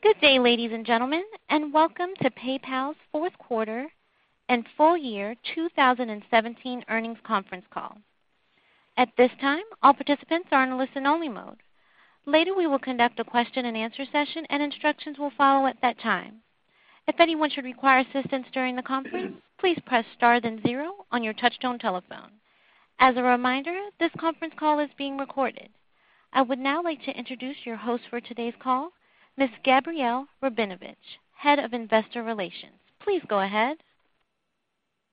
Good day, ladies and gentlemen, welcome to PayPal's fourth quarter and full year 2017 earnings conference call. At this time, all participants are in a listen-only mode. Later, we will conduct a question-and-answer session, and instructions will follow at that time. If anyone should require assistance during the conference, please press star then zero on your touchtone telephone. As a reminder, this conference call is being recorded. I would now like to introduce your host for today's call, Ms. Gabrielle Rabinovitch, Head of Investor Relations. Please go ahead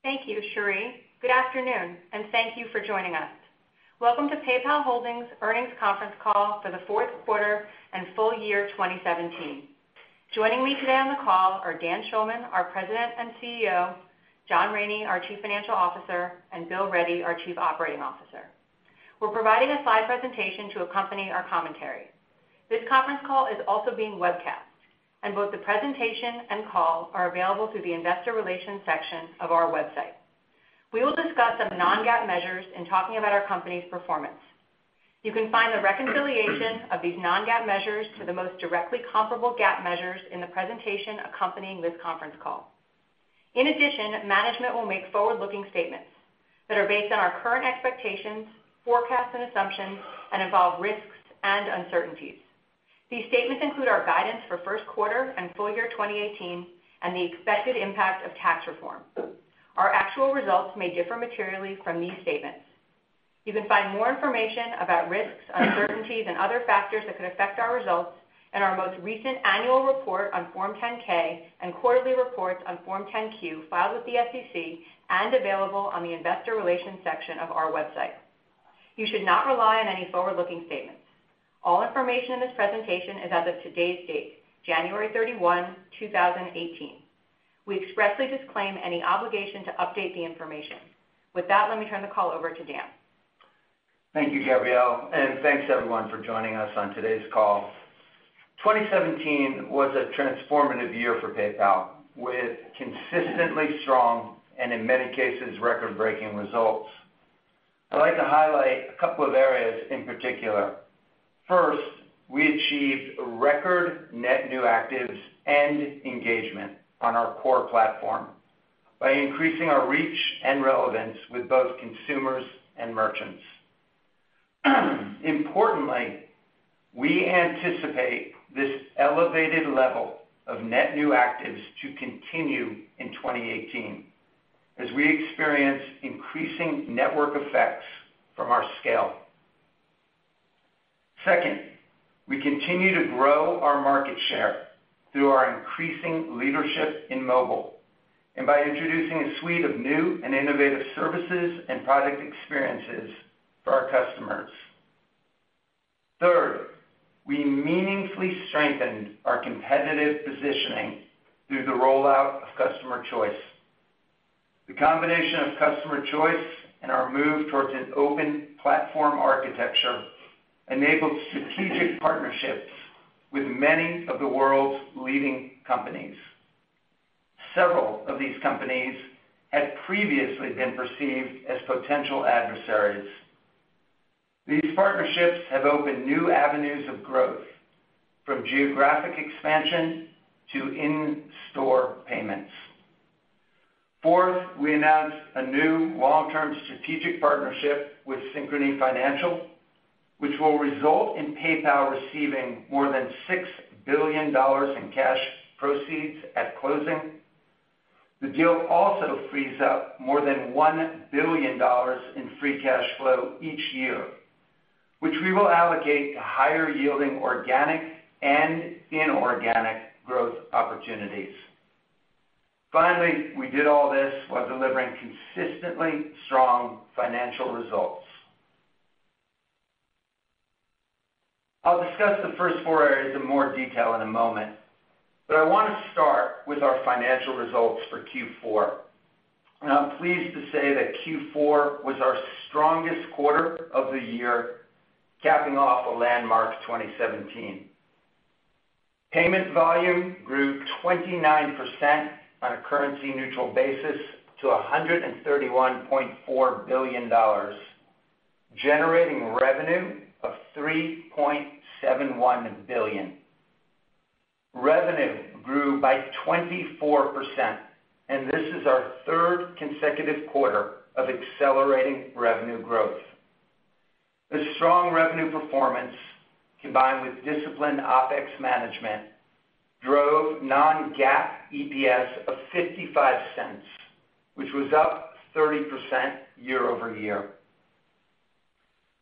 Thank you, Cherie. Good afternoon, thank you for joining us. Welcome to PayPal Holdings earnings conference call for the 4th quarter and full year 2017. Joining me today on the call are Dan Schulman, our President and CEO, John Rainey, our Chief Financial Officer, and Bill Ready, our Chief Operating Officer. We're providing a slide presentation to accompany our commentary. This conference call is also being webcast. Both the presentation and call are available through the investor relations section of our website. We will discuss some non-GAAP measures in talking about our company's performance. You can find the reconciliation of these non-GAAP measures to the most directly comparable GAAP measures in the presentation accompanying this conference call. In addition, management will make forward-looking statements that are based on our current expectations, forecasts, and assumptions and involve risks and uncertainties. These statements include our guidance for first quarter and full year 2018 and the expected impact of tax reform. Our actual results may differ materially from these statements. You can find more information about risks, uncertainties, and other factors that could affect our results in our most recent annual report on Form 10-K and quarterly reports on Form 10-Q filed with the SEC and available on the investor relations section of our website. You should not rely on any forward-looking statements. All information in this presentation is as of today's date, January 31, 2018. We expressly disclaim any obligation to update the information. With that, let me turn the call over to Dan. Thank you, Gabrielle, and thanks everyone for joining us on today's call. 2017 was a transformative year for PayPal, with consistently strong and, in many cases, record-breaking results. I'd like to highlight a couple of areas in particular. First, we achieved record net new actives and engagement on our core platform by increasing our reach and relevance with both consumers and merchants. Importantly, we anticipate this elevated level of net new actives to continue in 2018 as we experience increasing network effects from our scale. Second, we continue to grow our market share through our increasing leadership in mobile and by introducing a suite of new and innovative services and product experiences for our customers. Third, we meaningfully strengthened our competitive positioning through the rollout of customer choice. The combination of customer choice and our move towards an open platform architecture enabled strategic partnerships with many of the world's leading companies. Several of these companies had previously been perceived as potential adversaries. These partnerships have opened new avenues of growth, from geographic expansion to in-store payments. Fourth, we announced a new long-term strategic partnership with Synchrony Financial, which will result in PayPal receiving more than $6 billion in cash proceeds at closing. The deal also frees up more than $1 billion in free cash flow each year, which we will allocate to higher-yielding organic and inorganic growth opportunities. We did all this while delivering consistently strong financial results. I'll discuss the first four areas in more detail in a moment, but I wanna start with our financial results for Q4. I'm pleased to say that Q4 was our strongest quarter of the year, capping off a landmark 2017. Payment volume grew 29% on a currency-neutral basis to $131.4 billion, generating revenue of $3.71 billion. Revenue grew by 24%, this is our third consecutive quarter of accelerating revenue growth. The strong revenue performance, combined with disciplined OpEx management, drove non-GAAP EPS of $0.55, which was up 30% year-over-year.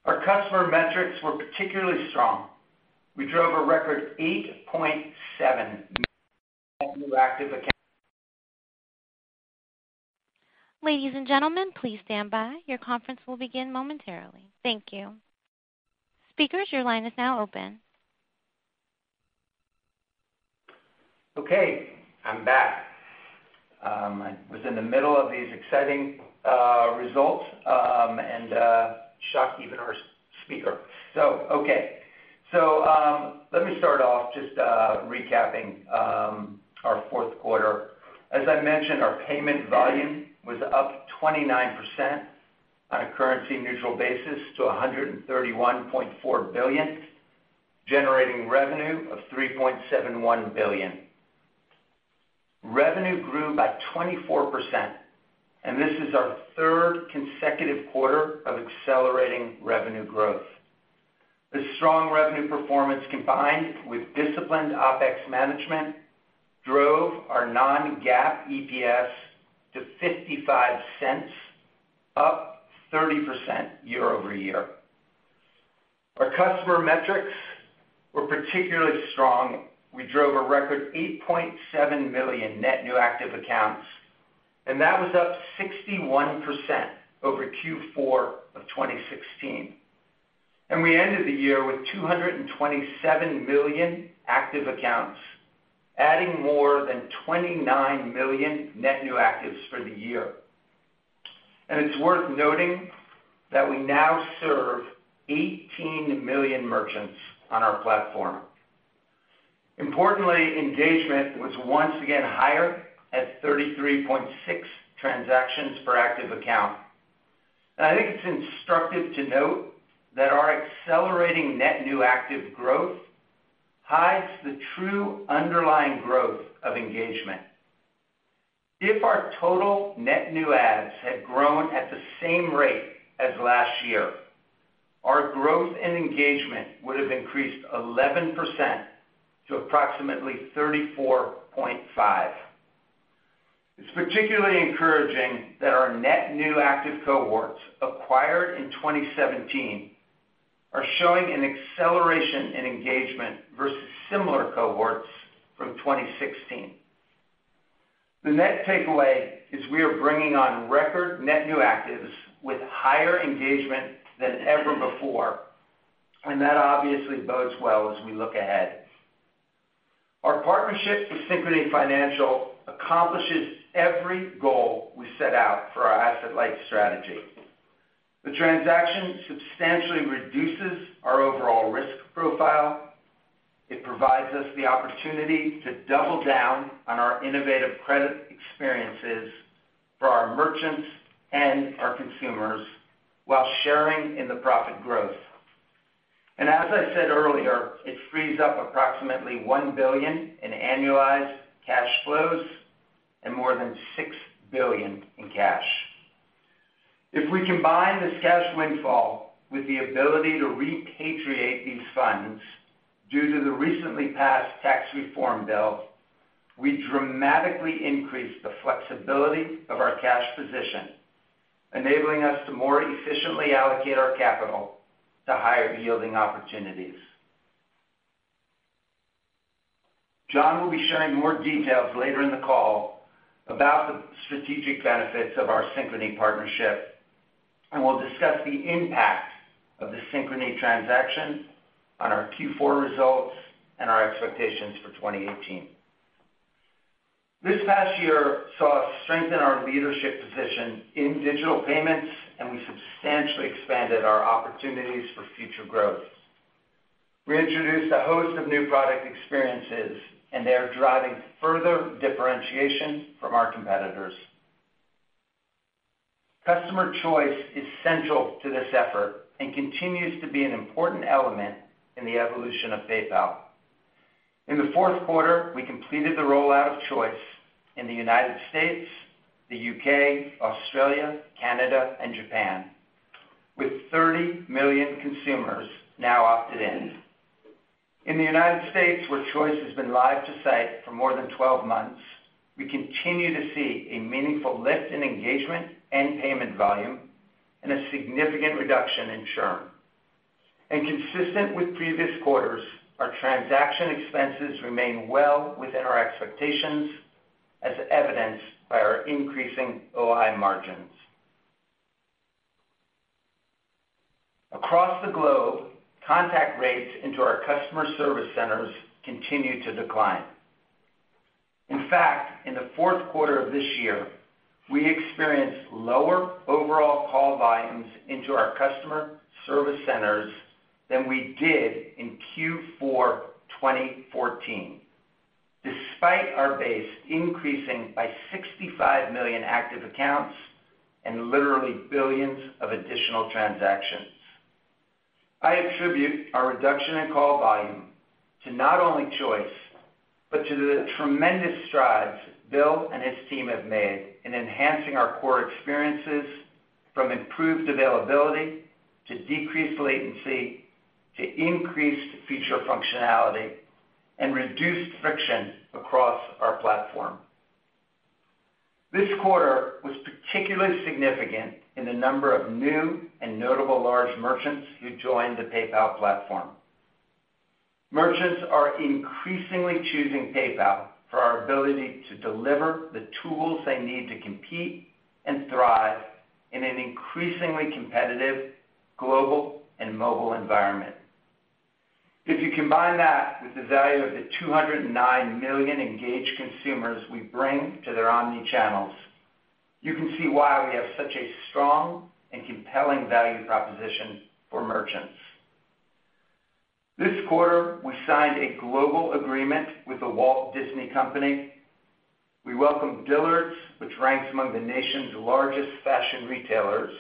Our customer metrics were particularly strong. We drove a record 8.7 million net new active accounts. Ladies and gentlemen, please stand by. Your conference will begin momentarily. Thank you. Speakers, your line is now open. I'm back. I was in the middle of these exciting results and shocked even our speaker. Let me start off just recapping our fourth quarter. As I mentioned, our payment volume was up 29% on a currency-neutral basis to $131.4 billion, generating revenue of $3.71 billion. Revenue grew by 24%. This is our third consecutive quarter of accelerating revenue growth. The strong revenue performance, combined with disciplined OpEx management, drove our non-GAAP EPS to $0.55, up 30% year-over-year. Our customer metrics were particularly strong. We drove a record 8.7 million net new active accounts. That was up 61% over Q4 of 2016. We ended the year with 227 million active accounts, adding more than 29 million net new actives for the year. It's worth noting that we now serve 18 million merchants on our platform. Importantly, engagement was once again higher at 33.6 transactions per active account. I think it's instructive to note that our accelerating net new active growth hides the true underlying growth of engagement. If our total net new adds had grown at the same rate as last year, our growth in engagement would have increased 11% to approximately 34.5. It's particularly encouraging that our net new active cohorts acquired in 2017 are showing an acceleration in engagement versus similar cohorts from 2016. The net takeaway is we are bringing on record net new actives with higher engagement than ever before, and that obviously bodes well as we look ahead. Our partnership with Synchrony Financial accomplishes every goal we set out for our asset-light strategy. The transaction substantially reduces our overall risk profile. It provides us the opportunity to double down on our innovative credit experiences for our merchants and our consumers while sharing in the profit growth. As I said earlier, it frees up approximately $1 billion in annualized cash flows and more than $6 billion in cash. If we combine this cash windfall with the ability to repatriate these funds due to the recently passed tax reform bill, we dramatically increase the flexibility of our cash position, enabling us to more efficiently allocate our capital to higher-yielding opportunities. John will be sharing more details later in the call about the strategic benefits of our Synchrony partnership, and we'll discuss the impact of the Synchrony transaction on our Q4 results and our expectations for 2018. This past year saw us strengthen our leadership position in digital payments, and we substantially expanded our opportunities for future growth. We introduced a host of new product experiences, and they are driving further differentiation from our competitors. Customer choice is central to this effort and continues to be an important element in the evolution of PayPal. In the fourth quarter, we completed the rollout of choice in the U.S., the U.K., Australia, Canada, and Japan, with 30 million consumers now opted in. In the U.S., where choice has been live to site for more than 12 months, we continue to see a meaningful lift in engagement and payment volume and a significant reduction in churn. Consistent with previous quarters, our transaction expenses remain well within our expectations, as evidenced by our increasing OI margins. Across the globe, contact rates into our customer service centers continue to decline. In fact, in the fourth quarter of this year, we experienced lower overall call volumes into our customer service centers than we did in Q4 2014, despite our base increasing by 65 million active accounts and literally billions of additional transactions. I attribute our reduction in call volume to not only choice, but to the tremendous strides Bill and his team have made in enhancing our core experiences from improved availability to decreased latency, to increased feature functionality and reduced friction across our platform. This quarter was particularly significant in the number of new and notable large merchants who joined the PayPal platform. Merchants are increasingly choosing PayPal for our ability to deliver the tools they need to compete and thrive in an increasingly competitive global and mobile environment. If you combine that with the value of the 209 million engaged consumers we bring to their omnichannels, you can see why we have such a strong and compelling value proposition for merchants. This quarter, we signed a global agreement with The Walt Disney Company. We welcomed Dillard's, which ranks among the nation's largest fashion retailers.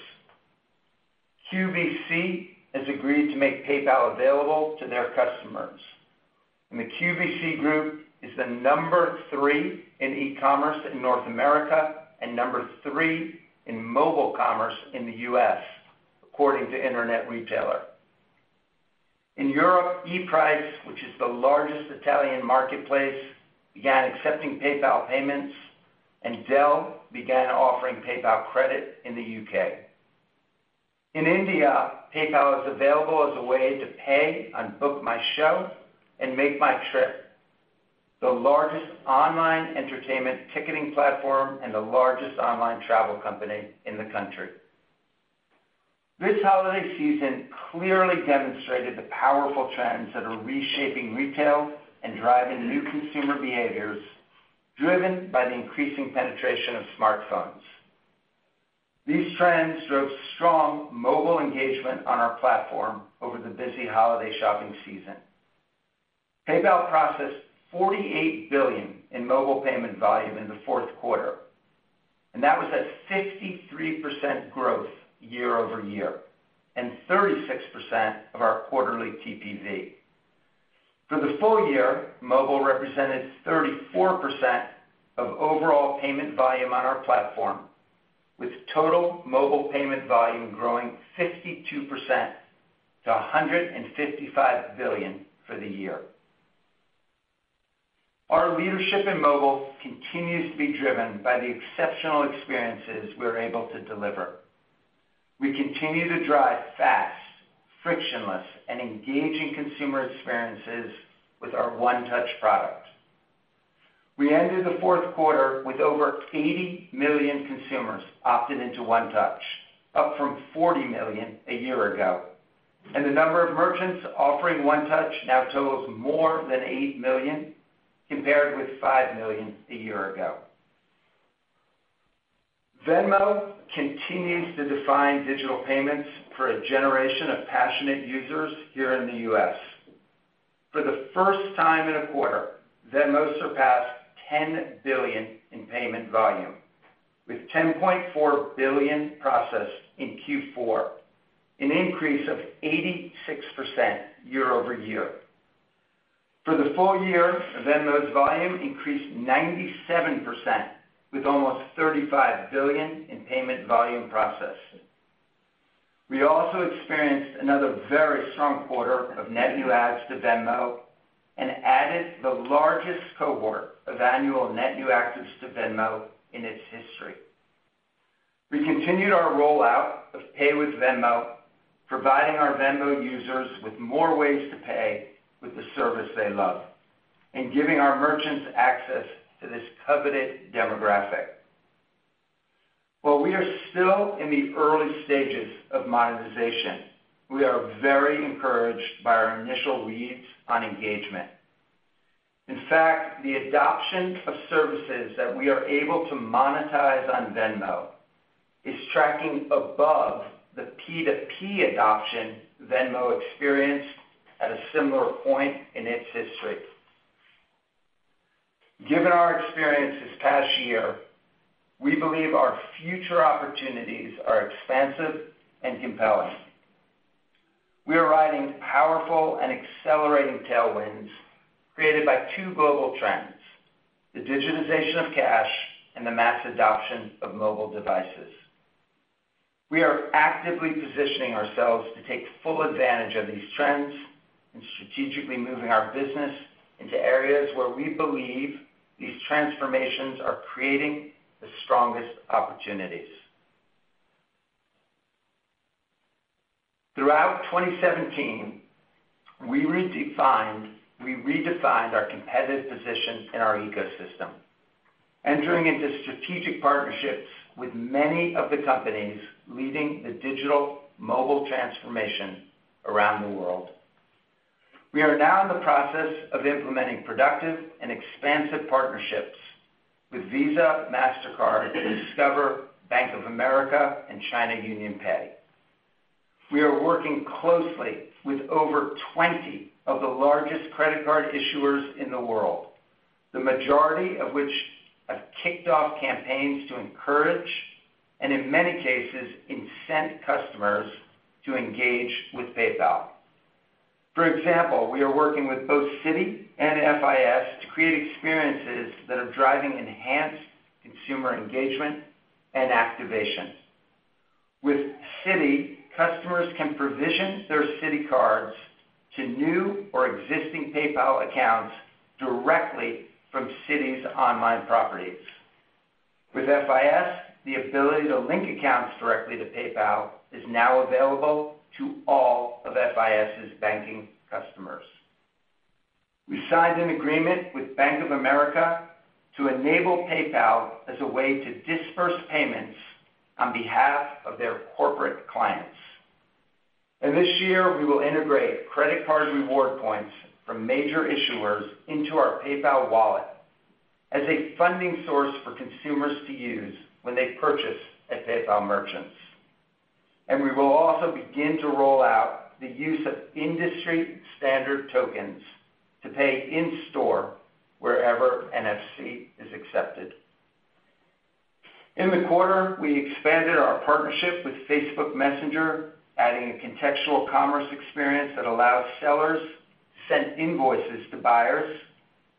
QVC has agreed to make PayPal available to their customers. The QVC Group is the number three in e-commerce in North America and number three in mobile commerce in the U.S., according to Internet Retailer. In Europe, ePrice, which is the largest Italian marketplace, began accepting PayPal payments, and Dell began offering PayPal Credit in the U.K. In India, PayPal is available as a way to pay on BookMyShow and MakeMyTrip, the largest online entertainment ticketing platform and the largest online travel company in the country. This holiday season clearly demonstrated the powerful trends that are reshaping retail and driving new consumer behaviors driven by the increasing penetration of smartphones. These trends drove strong mobile engagement on our platform over the busy holiday shopping season. PayPal processed $48 billion in mobile payment volume in the fourth quarter. That was at 63% growth year-over-year and 36% of our quarterly TPV. For the full year, mobile represented 34% of overall payment volume on our platform, with total mobile payment volume growing 52% to $155 billion for the year. Our leadership in mobile continues to be driven by the exceptional experiences we are able to deliver. We continue to drive fast, frictionless, and engaging consumer experiences with our One Touch product. We ended the fourth quarter with over 80 million consumers opted into One Touch, up from 40 million a year ago. The number of merchants offering One Touch now totals more than eight million, compared with five million a year ago. Venmo continues to define digital payments for a generation of passionate users here in the U.S. For the first time in a quarter, Venmo surpassed $10 billion in payment volume, with $10.4 billion processed in Q4, an increase of 86% year-over-year. For the full year, Venmo's volume increased 97%, with almost $35 billion in payment volume processed. We also experienced another very strong quarter of net new adds to Venmo and added the largest cohort of annual net new actives to Venmo in its history. We continued our rollout of Pay with Venmo, providing our Venmo users with more ways to pay with the service they love and giving our merchants access to this coveted demographic. While we are still in the early stages of monetization, we are very encouraged by our initial reads on engagement. In fact, the adoption of services that we are able to monetize on Venmo is tracking above the P2P adoption Venmo experienced at a similar point in its history. Given our experience this past year, we believe our future opportunities are expansive and compelling. We are riding powerful and accelerating tailwinds created by two global trends: the digitization of cash and the mass adoption of mobile devices. We are actively positioning ourselves to take full advantage of these trends and strategically moving our business into areas where we believe these transformations are creating the strongest opportunities. Throughout 2017, we redefined our competitive position in our ecosystem, entering into strategic partnerships with many of the companies leading the digital mobile transformation around the world. We are now in the process of implementing productive and expansive partnerships with Visa, Mastercard, Discover, Bank of America, and China UnionPay. We are working closely with over 20 of the largest credit card issuers in the world, the majority of which have kicked off campaigns to encourage and, in many cases, incent customers to engage with PayPal. For example, we are working with both Citi and FIS to create experiences that are driving enhanced consumer engagement and activation. With Citi, customers can provision their Citi cards to new or existing PayPal accounts directly from Citi's online properties. With FIS, the ability to link accounts directly to PayPal is now available to all of FIS's banking customers. We signed an agreement with Bank of America to enable PayPal as a way to disburse payments on behalf of their corporate clients. This year, we will integrate credit card reward points from major issuers into our PayPal wallet as a funding source for consumers to use when they purchase at PayPal merchants. We will also begin to roll out the use of industry-standard tokens to pay in store wherever NFC is accepted. In the quarter, we expanded our partnership with Facebook Messenger, adding a contextual commerce experience that allows sellers send invoices to buyers,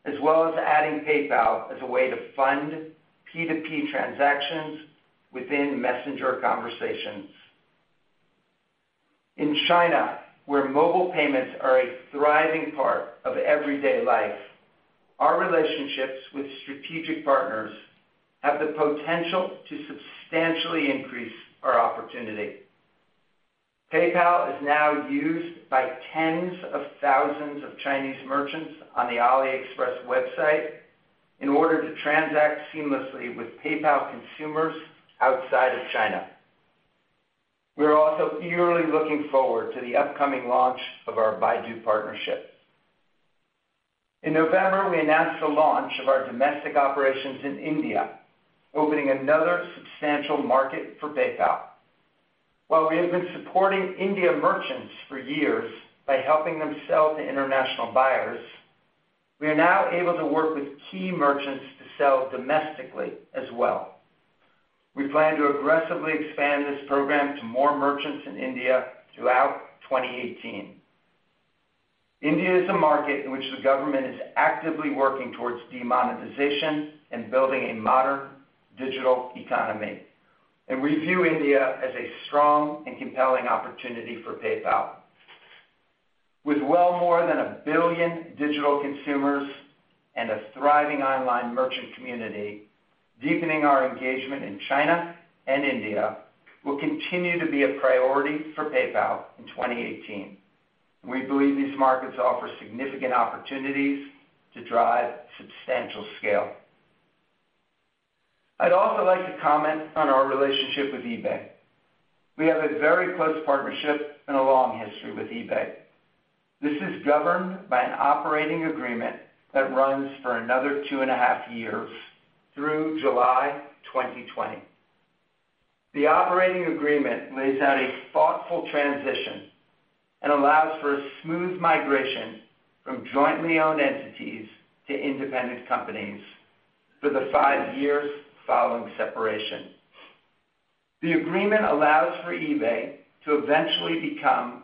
as well as adding PayPal as a way to fund P2P transactions within Messenger conversations. In China, where mobile payments are a thriving part of everyday life, our relationships with strategic partners have the potential to substantially increase our opportunity. PayPal is now used by tens of thousands of Chinese merchants on the AliExpress website in order to transact seamlessly with PayPal consumers outside of China. We are also eagerly looking forward to the upcoming launch of our Baidu partnership. In November, we announced the launch of our domestic operations in India, opening another substantial market for PayPal. While we have been supporting India merchants for years by helping them sell to international buyers, we are now able to work with key merchants to sell domestically as well. We plan to aggressively expand this program to more merchants in India throughout 2018. India is a market in which the government is actively working towards demonetization and building a modern digital economy, and we view India as a strong and compelling opportunity for PayPal. With well more than a billion digital consumers and a thriving online merchant community, deepening our engagement in China and India will continue to be a priority for PayPal in 2018. We believe these markets offer significant opportunities to drive substantial scale. I'd also like to comment on our relationship with eBay. We have a very close partnership and a long history with eBay. This is governed by an operating agreement that runs for another two and a half years through July 2020. The operating agreement lays out a thoughtful transition and allows for a smooth migration from jointly owned entities to independent companies for the five years following separation. The agreement allows for eBay to eventually become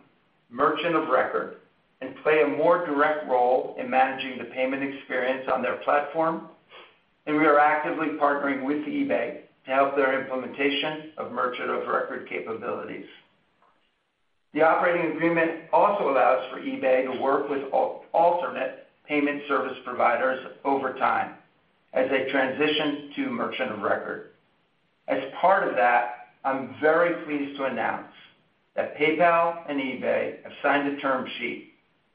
merchant of record and play a more direct role in managing the payment experience on their platform, and we are actively partnering with eBay to help their implementation of merchant of record capabilities. The operating agreement also allows for eBay to work with alternate Payment Service Providers over time as they transition to merchant of record. As part of that, I'm very pleased to announce that PayPal and eBay have signed a term sheet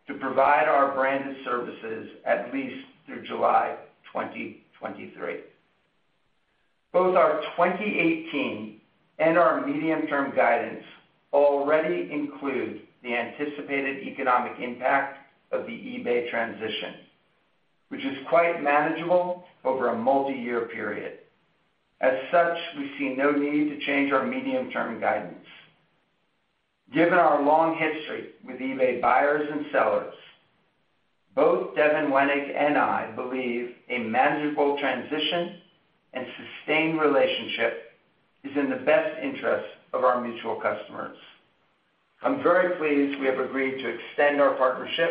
to provide our branded services at least through July 2023. Both our 2018 and our medium-term guidance already include the anticipated economic impact of the eBay transition, which is quite manageable over a multiyear period. As such, we see no need to change our medium-term guidance. Given our long history with eBay buyers and sellers, both Devin Wenig and I believe a manageable transition and sustained relationship is in the best interest of our mutual customers. I'm very pleased we have agreed to extend our partnership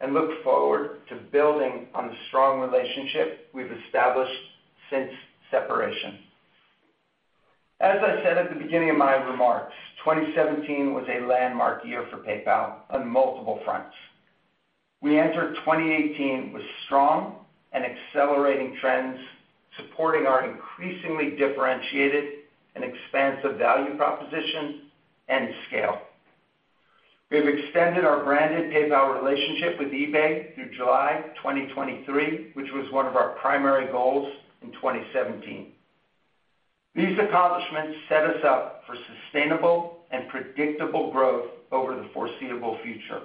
and look forward to building on the strong relationship we've established since separation. As I said at the beginning of my remarks, 2017 was a landmark year for PayPal on multiple fronts. We enter 2018 with strong and accelerating trends supporting our increasingly differentiated and expansive value proposition and scale. We have extended our branded PayPal relationship with eBay through July 2023, which was one of our primary goals in 2017. These accomplishments set us up for sustainable and predictable growth over the foreseeable future.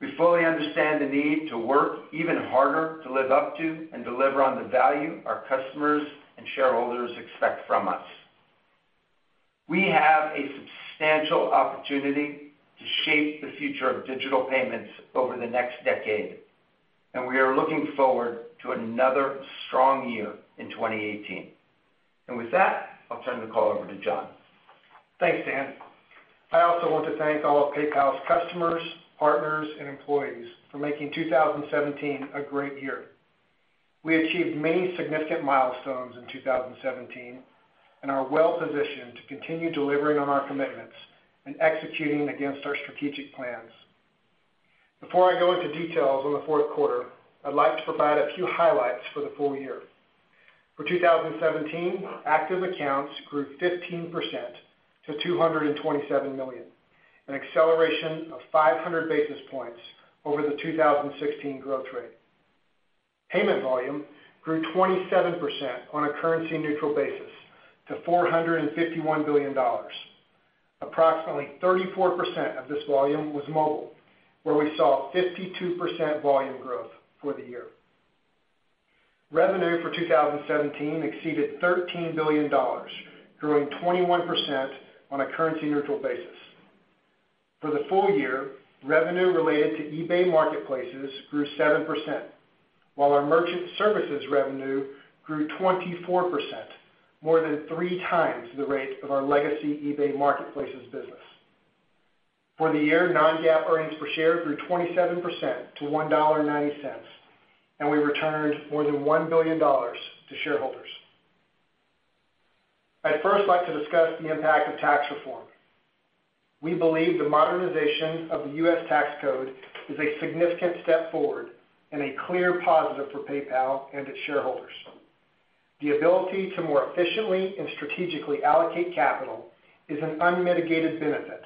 We fully understand the need to work even harder to live up to and deliver on the value our customers and shareholders expect from us. We have a substantial opportunity to shape the future of digital payments over the next decade, and we are looking forward to another strong year in 2018. With that, I'll turn the call over to John. Thanks, Dan. I also want to thank all of PayPal's customers, partners, and employees for making 2017 a great year. We achieved many significant milestones in 2017 and are well-positioned to continue delivering on our commitments and executing against our strategic plans. Before I go into details on the fourth quarter, I'd like to provide a few highlights for the full year. For 2017, active accounts grew 15% to 227 million, an acceleration of 500 basis points over the 2016 growth rate. Payment volume grew 27% on a currency-neutral basis to $451 billion. Approximately 34% of this volume was mobile, where we saw 52% volume growth for the year. Revenue for 2017 exceeded $13 billion, growing 21% on a currency-neutral basis. For the full year, revenue related to eBay Marketplaces grew 7%, while our merchant services revenue grew 24%, more than three times the rate of our legacy eBay Marketplaces business. For the year, non-GAAP EPS grew 27% to $1.90, and we returned more than $1 billion to shareholders. I'd first like to discuss the impact of tax reform. We believe the modernization of the U.S. tax code is a significant step forward and a clear positive for PayPal and its shareholders. The ability to more efficiently and strategically allocate capital is an unmitigated benefit,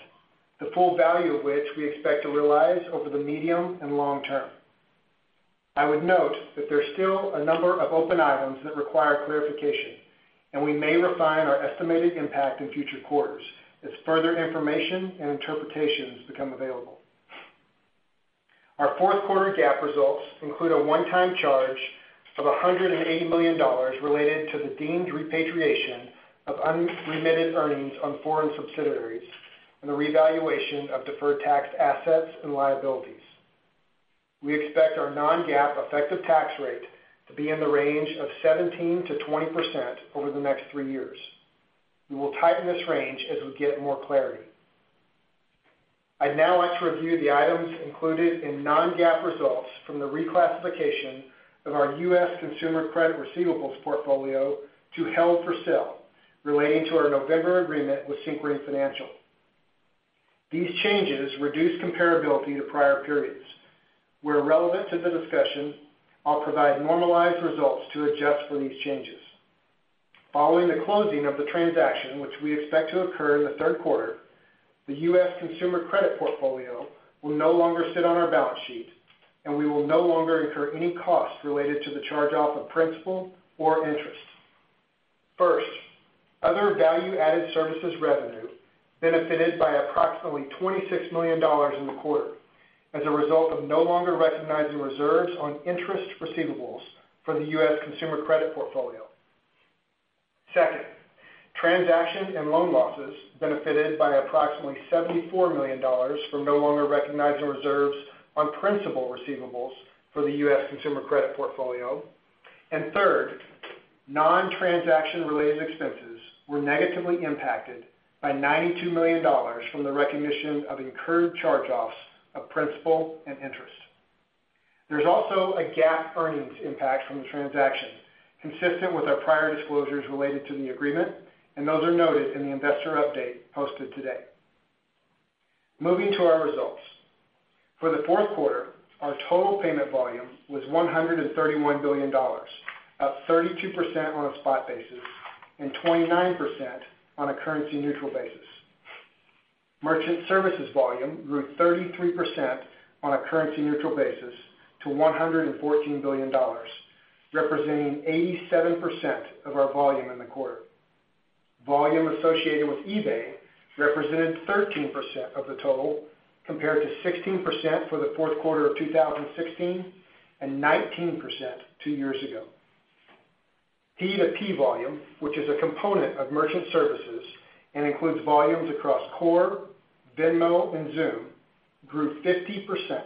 the full value of which we expect to realize over the medium and long term. I would note that there's still a number of open items that require clarification, and we may refine our estimated impact in future quarters as further information and interpretations become available. Our fourth quarter GAAP results include a one-time charge of $180 million related to the deemed repatriation of unremitted earnings on foreign subsidiaries and the revaluation of deferred tax assets and liabilities. We expect our non-GAAP effective tax rate to be in the range of 17%-20% over the next three years. We will tighten this range as we get more clarity. I'd now like to review the items included in non-GAAP results from the reclassification of our U.S. consumer credit receivables portfolio to held-for-sale relating to our November agreement with Synchrony Financial. These changes reduce comparability to prior periods. Where relevant to the discussion, I'll provide normalized results to adjust for these changes. Following the closing of the transaction, which we expect to occur in the third quarter, the U.S. consumer credit portfolio will no longer sit on our balance sheet, and we will no longer incur any costs related to the charge-off of principal or interest. First, other value-added services revenue benefited by approximately $26 million in the quarter as a result of no longer recognizing reserves on interest receivables for the U.S. consumer credit portfolio. Second, transaction and loan losses benefited by approximately $74 million for no longer recognizing reserves on principal receivables for the U.S. consumer credit portfolio. Third, non-transaction-related expenses were negatively impacted by $92 million from the recognition of incurred charge-offs of principal and interest. There's also a GAAP earnings impact from the transaction consistent with our prior disclosures related to the agreement, and those are noted in the investor update posted today. Moving to our results. For the fourth quarter, our total payment volume was $131 billion, up 32% on a spot basis and 29% on a currency-neutral basis. Merchant services volume grew 33% on a currency-neutral basis to $114 billion, representing 87% of our volume in the quarter. Volume associated with eBay represented 13% of the total, compared to 16% for the fourth quarter of 2016, and 19% two years ago. P2P volume, which is a component of merchant services and includes volumes across Core, Venmo, and Xoom, grew 50%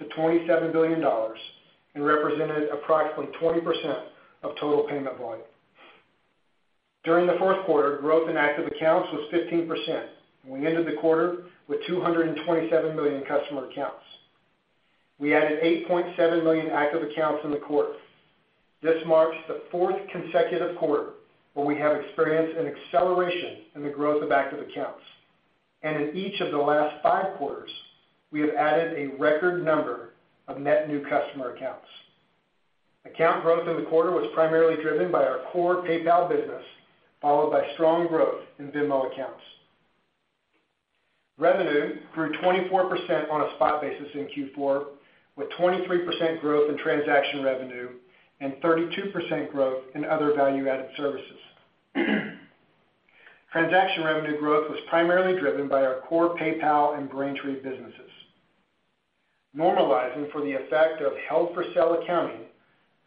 to $27 billion and represented approximately 20% of total payment volume. During the fourth quarter, growth in active accounts was 15%, and we ended the quarter with 227 million customer accounts. We added 8.7 million active accounts in the quarter. This marks the 4th consecutive quarter where we have experienced an acceleration in the growth of active accounts. In each of the last five quarters, we have added a record number of net new customer accounts. Account growth in the quarter was primarily driven by our core PayPal business, followed by strong growth in Venmo accounts. Revenue grew 24% on a spot basis in Q4, with 23% growth in transaction revenue and 32% growth in other value-added services. Transaction revenue growth was primarily driven by our core PayPal and Braintree businesses. Normalizing for the effect of held-for-sale accounting,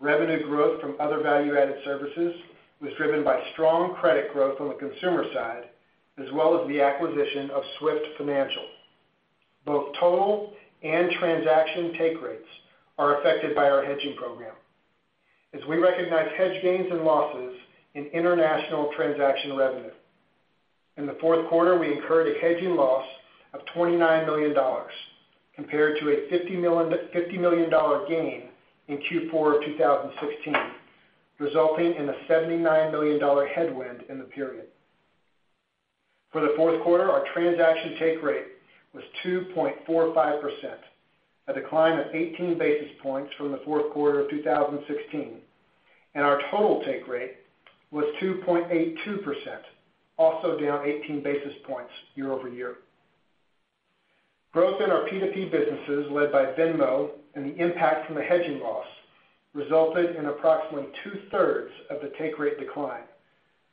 revenue growth from other value-added services was driven by strong credit growth on the consumer side, as well as the acquisition of Swift Financial. Both total and transaction take rates are affected by our hedging program as we recognize hedge gains and losses in international transaction revenue. In the fourth quarter, we incurred a hedging loss of $29 million compared to a $50 million gain in Q4 of 2016, resulting in a $79 million headwind in the period. For the fourth quarter, our transaction take rate was 2.45%, a decline of 18 basis points from the fourth quarter of 2016, and our total take rate was 2.82%, also down 18 basis points year-over-year. Growth in our P2P businesses led by Venmo and the impact from the hedging loss resulted in approximately two-thirds of the take rate decline,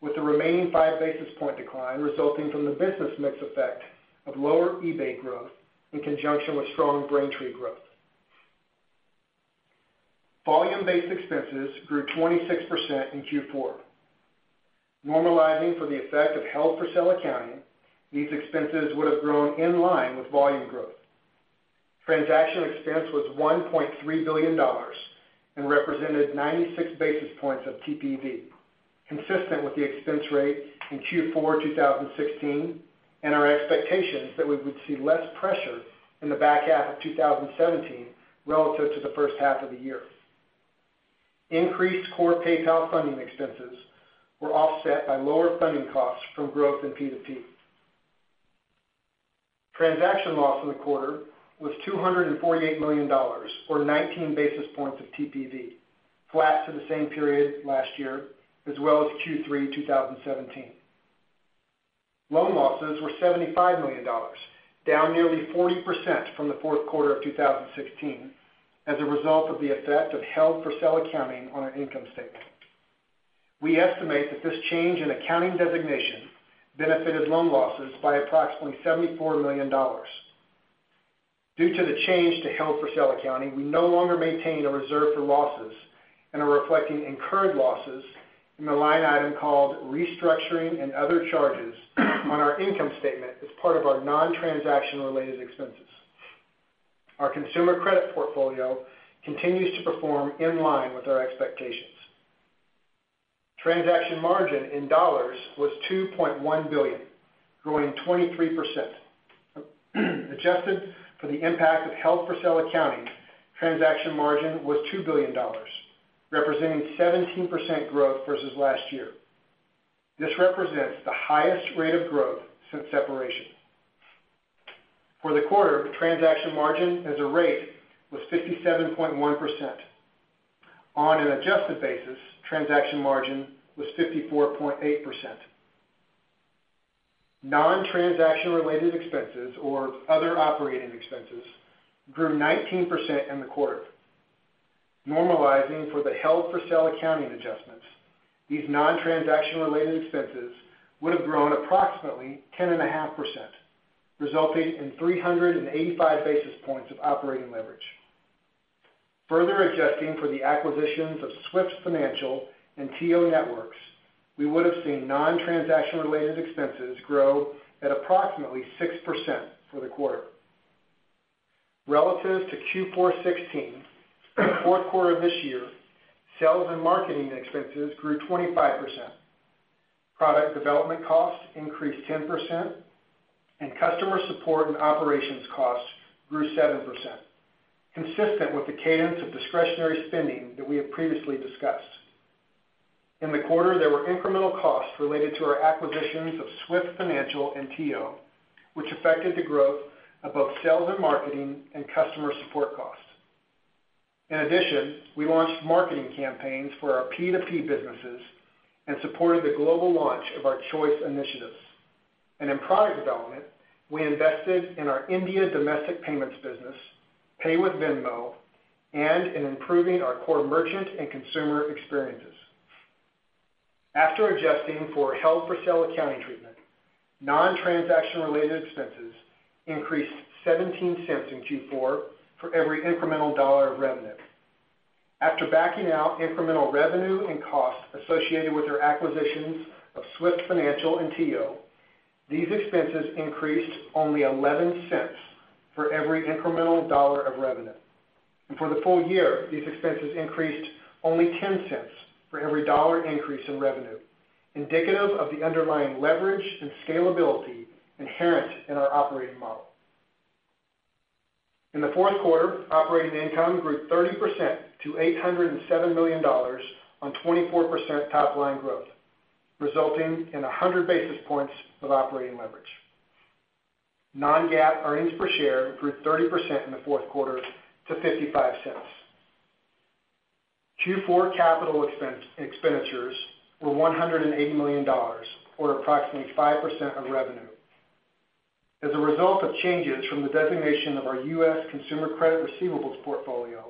with the remaining five basis point decline resulting from the business mix effect of lower eBay growth in conjunction with strong Braintree growth. Volume-based expenses grew 26% in Q4. Normalizing for the effect of held-for-sale accounting, these expenses would have grown in line with volume growth. Transaction expense was $1.3 billion and represented 96 basis points of TPV, consistent with the expense rate in Q4 2016 and our expectations that we would see less pressure in the back half of 2017 relative to the first half of the year. Increased core PayPal funding expenses were offset by lower funding costs from growth in P2P. Transaction loss in the quarter was $248 million, or 19 basis points of TPV, flat to the same period last year as well as Q3 2017. Loan losses were $75 million, down nearly 40% from the fourth quarter of 2016 as a result of the effect of held-for-sale accounting on our income statement. We estimate that this change in accounting designation benefited loan losses by approximately $74 million. Due to the change to held-for-sale accounting, we no longer maintain a reserve for losses and are reflecting incurred losses in the line item called restructuring and other charges on our income statement as part of our non-transaction-related expenses. Our consumer credit portfolio continues to perform in line with our expectations. Transaction margin in dollars was $2.1 billion, growing 23%. Adjusted for the impact of held-for-sale accounting, transaction margin was $2 billion, representing 17% growth versus last year. This represents the highest rate of growth since separation. For the quarter, transaction margin as a rate was 57.1%. On an adjusted basis, transaction margin was 54.8%. Non-transaction-related expenses or other operating expenses grew 19% in the quarter. Normalizing for the held-for-sale accounting adjustments, these non-transaction-related expenses would have grown approximately 10.5%, resulting in 385 basis points of operating leverage. Further adjusting for the acquisitions of Swift Financial and TIO Networks, we would have seen non-transaction-related expenses grow at approximately 6% for the quarter. Relative to Q4 2016, the fourth quarter of this year, sales and marketing expenses grew 25%. Product development costs increased 10%, and customer support and operations costs grew 7%, consistent with the cadence of discretionary spending that we have previously discussed. In the quarter, there were incremental costs related to our acquisitions of Swift Financial and TIO, which affected the growth of both sales and marketing and customer support costs. In addition, we launched marketing campaigns for our P2P businesses and supported the global launch of our choice initiatives. In product development, we invested in our India domestic payments business, Pay with Venmo, and in improving our core merchant and consumer experiences. After adjusting for held-for-sale accounting treatment, non-transaction-related expenses increased $0.17 in Q4 for every incremental dollar of revenue. After backing out incremental revenue and costs associated with our acquisitions of Swift Financial and TIO, these expenses increased only $0.11 for every incremental dollar of revenue. For the full year, these expenses increased only $0.10 for every $1 increase in revenue, indicative of the underlying leverage and scalability inherent in our operating model. In the fourth quarter, operating income grew 30% to $807 million on 24% top line growth, resulting in 100 basis points of operating leverage. Non-GAAP earnings per share improved 30% in the fourth quarter to $0.55. Q4 capital expenditures were $180 million, or approximately 5% of revenue. As a result of changes from the designation of our U.S. consumer credit receivables portfolio,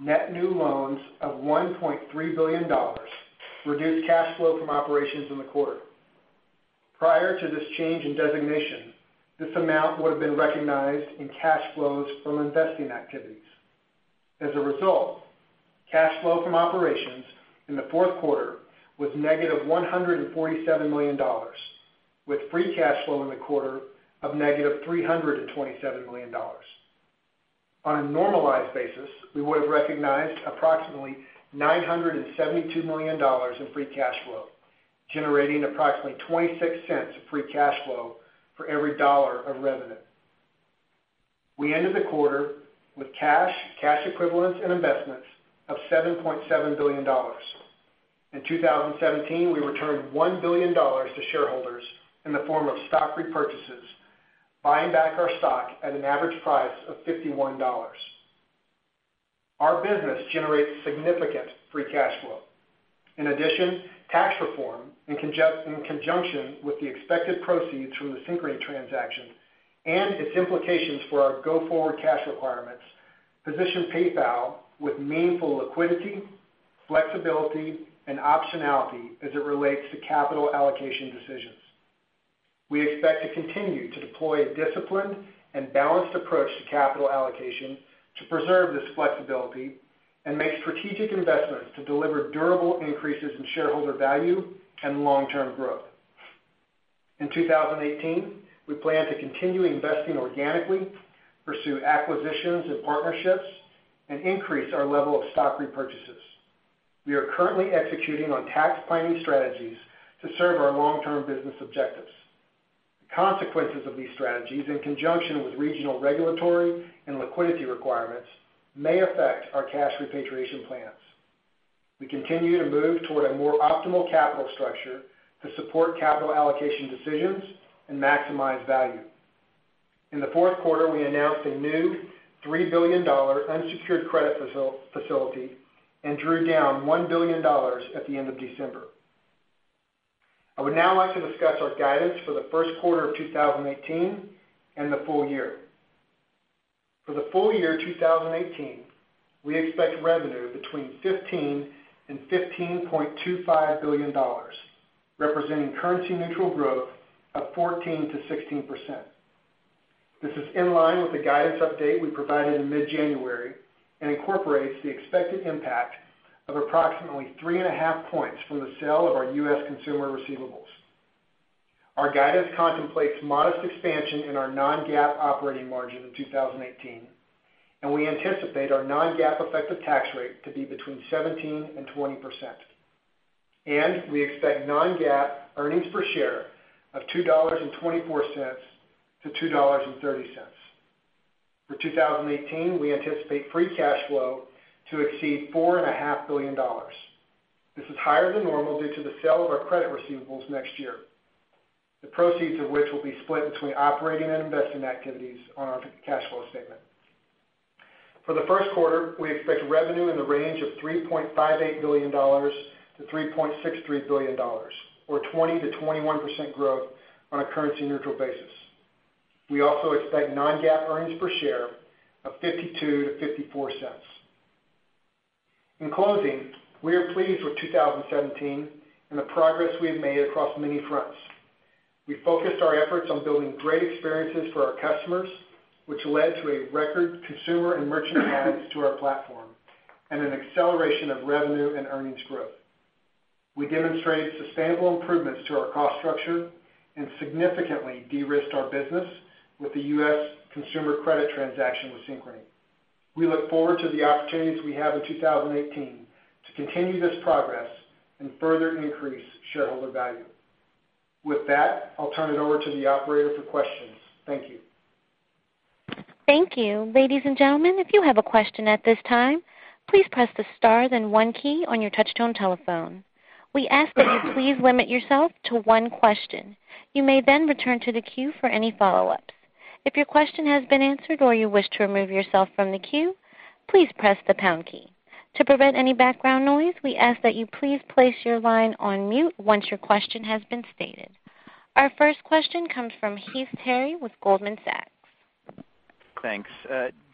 net new loans of $1.3 billion reduced cash flow from operations in the quarter. Prior to this change in designation, this amount would have been recognized in cash flows from investing activities. Cash flow from operations in the fourth quarter was negative $147 million, with free cash flow in the quarter of negative $327 million. On a normalized basis, we would have recognized approximately $972 million in free cash flow, generating approximately $0.26 of free cash flow for every dollar of revenue. We ended the quarter with cash equivalents, and investments of $7.7 billion. In 2017, we returned $1 billion to shareholders in the form of stock repurchases, buying back our stock at an average price of $51. Our business generates significant free cash flow. In addition, tax reform in conjunction with the expected proceeds from the Synchrony transaction and its implications for our go-forward cash requirements position PayPal with meaningful liquidity, flexibility, and optionality as it relates to capital allocation decisions. We expect to continue to deploy a disciplined and balanced approach to capital allocation to preserve this flexibility and make strategic investments to deliver durable increases in shareholder value and long-term growth. In 2018, we plan to continue investing organically, pursue acquisitions and partnerships, and increase our level of stock repurchases. We are currently executing on tax planning strategies to serve our long-term business objectives. The consequences of these strategies, in conjunction with regional regulatory and liquidity requirements, may affect our cash repatriation plans. We continue to move toward a more optimal capital structure to support capital allocation decisions and maximize value. In the fourth quarter, we announced a new $3 billion unsecured credit facility and drew down $1 billion at the end of December. I would now like to discuss our guidance for the first quarter of 2018 and the full year. For the full year 2018, we expect revenue between $15 billion and $15.25 billion, representing currency-neutral growth of 14%-16%. This is in line with the guidance update we provided in mid-January and incorporates the expected impact of approximately three and a half points from the sale of our U.S. consumer receivables. Our guidance contemplates modest expansion in our non-GAAP operating margin in 2018. We anticipate our non-GAAP effective tax rate to be between 17% and 20%. We expect non-GAAP earnings per share of $2.24-$2.30. For 2018, we anticipate free cash flow to exceed $4.5 billion. This is higher than normal due to the sale of our credit receivables next year, the proceeds of which will be split between operating and investing activities on our cash flow statement. For the 1st quarter, we expect revenue in the range of $3.58 billion-$3.63 billion, or 20%-21% growth on a currency-neutral basis. We also expect non-GAAP earnings per share of $0.52-$0.54. In closing, we are pleased with 2017 and the progress we have made across many fronts. We focused our efforts on building great experiences for our customers, which led to a record consumer and merchant adds to our platform and an acceleration of revenue and earnings growth. We demonstrated sustainable improvements to our cost structure and significantly de-risked our business with the U.S. consumer credit transaction with Synchrony. We look forward to the opportunities we have in 2018 to continue this progress and further increase shareholder value. I'll turn it over to the operator for questions. Thank you. Thank you. Ladies and gentlemen, if you have a question at this time, please press the star then one key on your touchtone telephone. We ask that you please limit yourself to one question. You may then return to the queue for any follow-ups. If your question has been answered or you wish to remove yourself from the queue, please press the pound key. To prevent any background noise, we ask that you please place your line on mute once your question has been stated. Our first question comes from Heath Terry with Goldman Sachs. Thanks.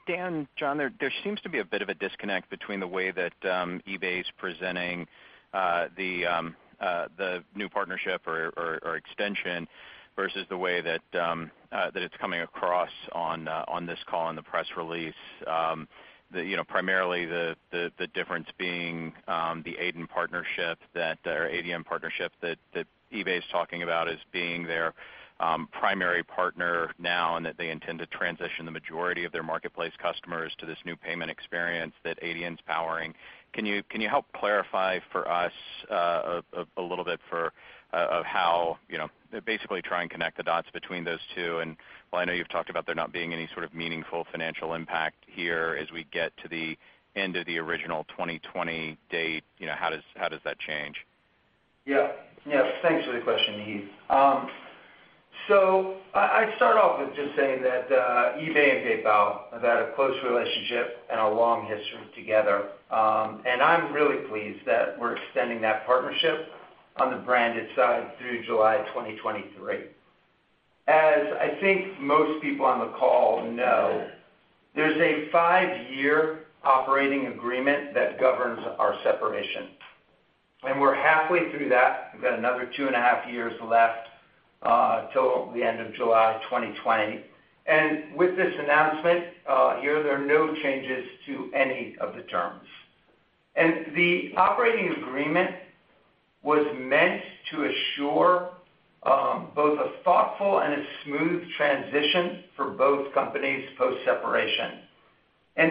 Dan, John, there seems to be a bit of a disconnect between the way that eBay's presenting the new partnership or extension versus the way that it's coming across on this call in the press release. The, you know, primarily the difference being the Adyen partnership that, or Adyen partnership that eBay's talking about as being their primary partner now and that they intend to transition the majority of their marketplace customers to this new payment experience that Adyen's powering. Can you help clarify for us a little bit for of how, you know, basically try and connect the dots between those two? While I know you've talked about there not being any sort of meaningful financial impact here as we get to the end of the original 2020 date, you know, how does that change? Yeah. Yeah. Thanks for the question, Heath. I'd start off with just saying that eBay and PayPal have had a close relationship and a long history together. I'm really pleased that we're extending that partnership on the branded side through July 2023. As I think most people on the call know, there's a five-year operating agreement that governs our separation, and we're halfway through that. We've got another two and a half years left till the end of July 2020. With this announcement, here there are no changes to any of the terms. The operating agreement was meant to assure both a thoughtful and a smooth transition for both companies post-separation. It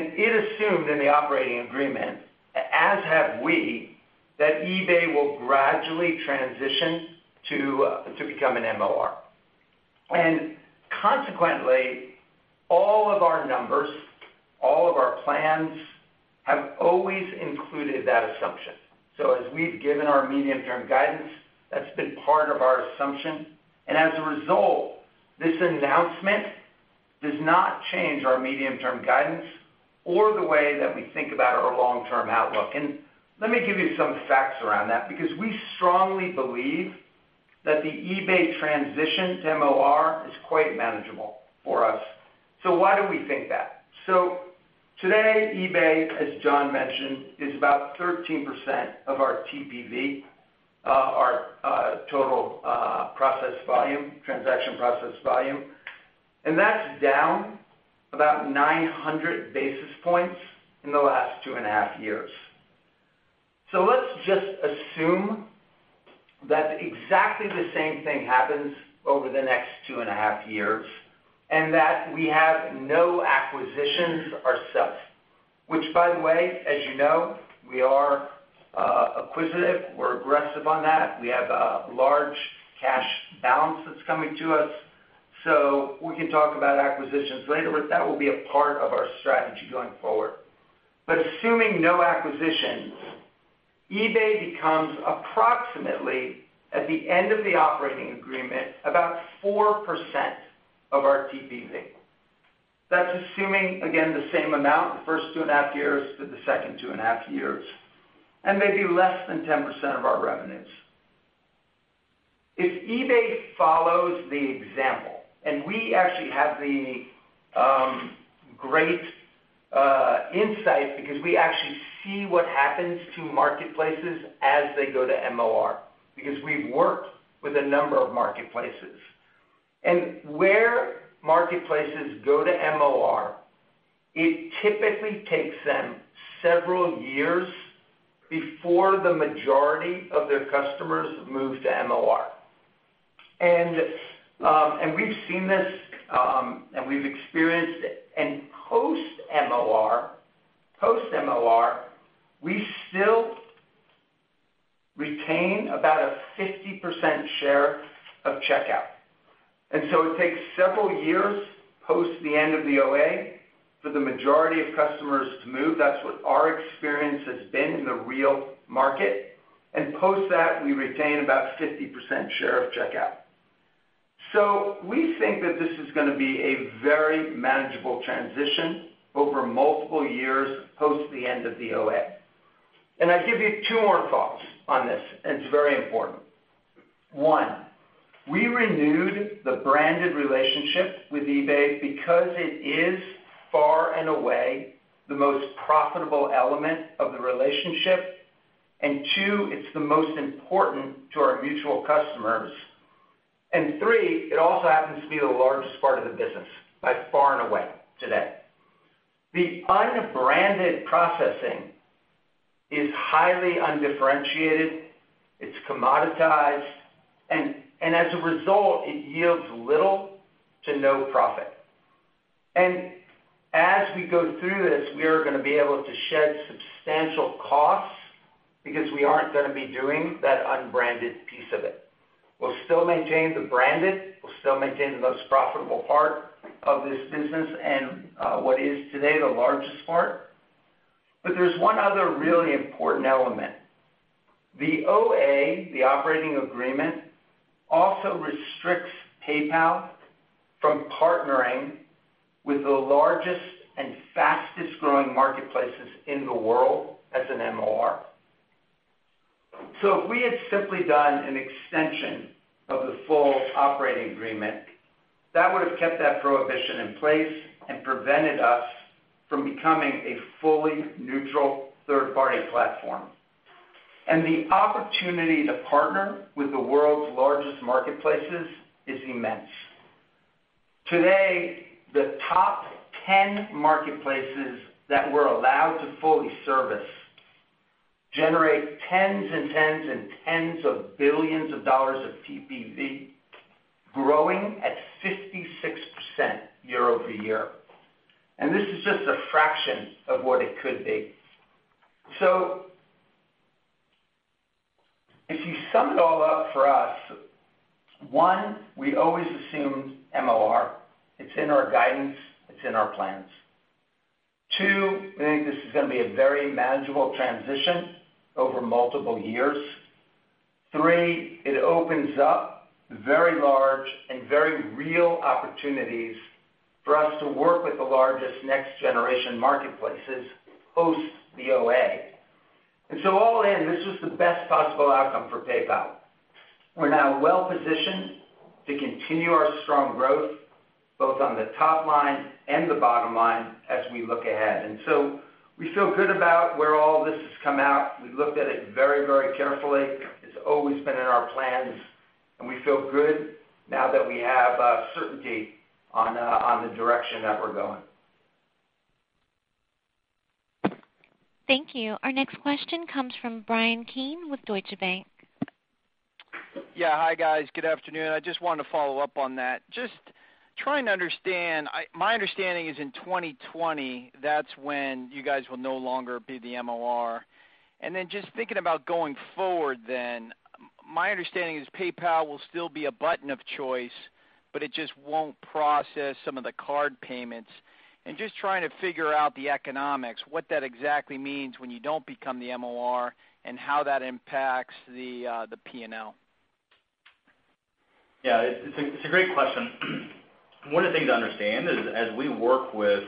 assumed in the operating agreement, as have we, that eBay will gradually transition to become an MOR. Consequently, all of our numbers, all of our plans have always included that assumption. As we've given our medium-term guidance, that's been part of our assumption. As a result. This announcement does not change our medium-term guidance or the way that we think about our long-term outlook. Let me give you some facts around that because we strongly believe that the eBay transition to MOR is quite manageable for us. Why do we think that? Today, eBay, as John mentioned, is about 13% of our TPV, our total process volume, transaction process volume, and that's down about 900 basis points in the last 2.5 years. Let's just assume that exactly the same thing happens over the next 2.5 years, and that we have no acquisitions ourselves, which by the way, as you know, we are acquisitive. We're aggressive on that. We have a large cash balance that's coming to us, so we can talk about acquisitions later. That will be a part of our strategy going forward. Assuming no acquisitions, eBay becomes approximately, at the end of the operating agreement, about 4% of our TPV. That's assuming, again, the same amount, the first 2.5 years to the second 2.5 years, and maybe less than 10% of our revenues. If eBay follows the example, and we actually have the great insight because we actually see what happens to marketplaces as they go to MOR, because we've worked with a number of marketplaces. Where marketplaces go to MOR, it typically takes them several years before the majority of their customers move to MOR. We've seen this, and we've experienced it. Post-MOR, we still retain about a 50% share of checkout. It takes several years post the end of the OA for the majority of customers to move. That's what our experience has been in the real market. Post that, we retain about 50% share of checkout. We think that this is going to be a very manageable transition over multiple years post the end of the OA. I give you two more thoughts on this, and it's very important. One, we renewed the branded relationship with eBay because it is far and away the most profitable element of the relationship. Two, it's the most important to our mutual customers. Three, it also happens to be the largest part of the business by far and away today. The unbranded processing is highly undifferentiated, it's commoditized, and as a result, it yields little to no profit. As we go through this, we are gonna be able to shed substantial costs because we aren't gonna be doing that unbranded piece of it. We'll still maintain the branded, we'll still maintain the most profitable part of this business and what is today the largest part. There's one other really important element. The OA, the operating agreement, also restricts PayPal from partnering with the largest and fastest-growing marketplaces in the world as an MOR. If we had simply done an extension of the full operating agreement, that would have kept that prohibition in place and prevented us from becoming a fully neutral third-party platform. The opportunity to partner with the world's largest marketplaces is immense. Today, the top 10 marketplaces that we're allowed to fully service generate tens and tens and tens of billions of dollars of TPV, growing at 56% year-over-year. This is just a fraction of what it could be. If you sum it all up for us, one, we always assumed MOR. It's in our guidance. It's in our plans. Two, we think this is gonna be a very manageable transition over multiple years. Three, it opens up very large and very real opportunities for us to work with the largest next-generation marketplaces post the OA. All in, this was the best possible outcome for PayPal. We're now well-positioned to continue our strong growth, both on the top line and the bottom line as we look ahead. We feel good about where all this has come out. We looked at it very, very carefully. It's always been in our plans. We feel good now that we have certainty on on the direction that we're going. Thank you. Our next question comes from Bryan Keane with Deutsche Bank. Yeah. Hi, guys. Good afternoon. I just wanted to follow up on that. Just trying to understand, my understanding is in 2020, that's when you guys will no longer be the MOR. Just thinking about going forward then, my understanding is PayPal will still be a button of Choice, but it just won't process some of the card payments. Just trying to figure out the economics, what that exactly means when you don't become the MOR and how that impacts the P&L. Yeah, it's a, it's a great question. One of the things to understand is as we work with,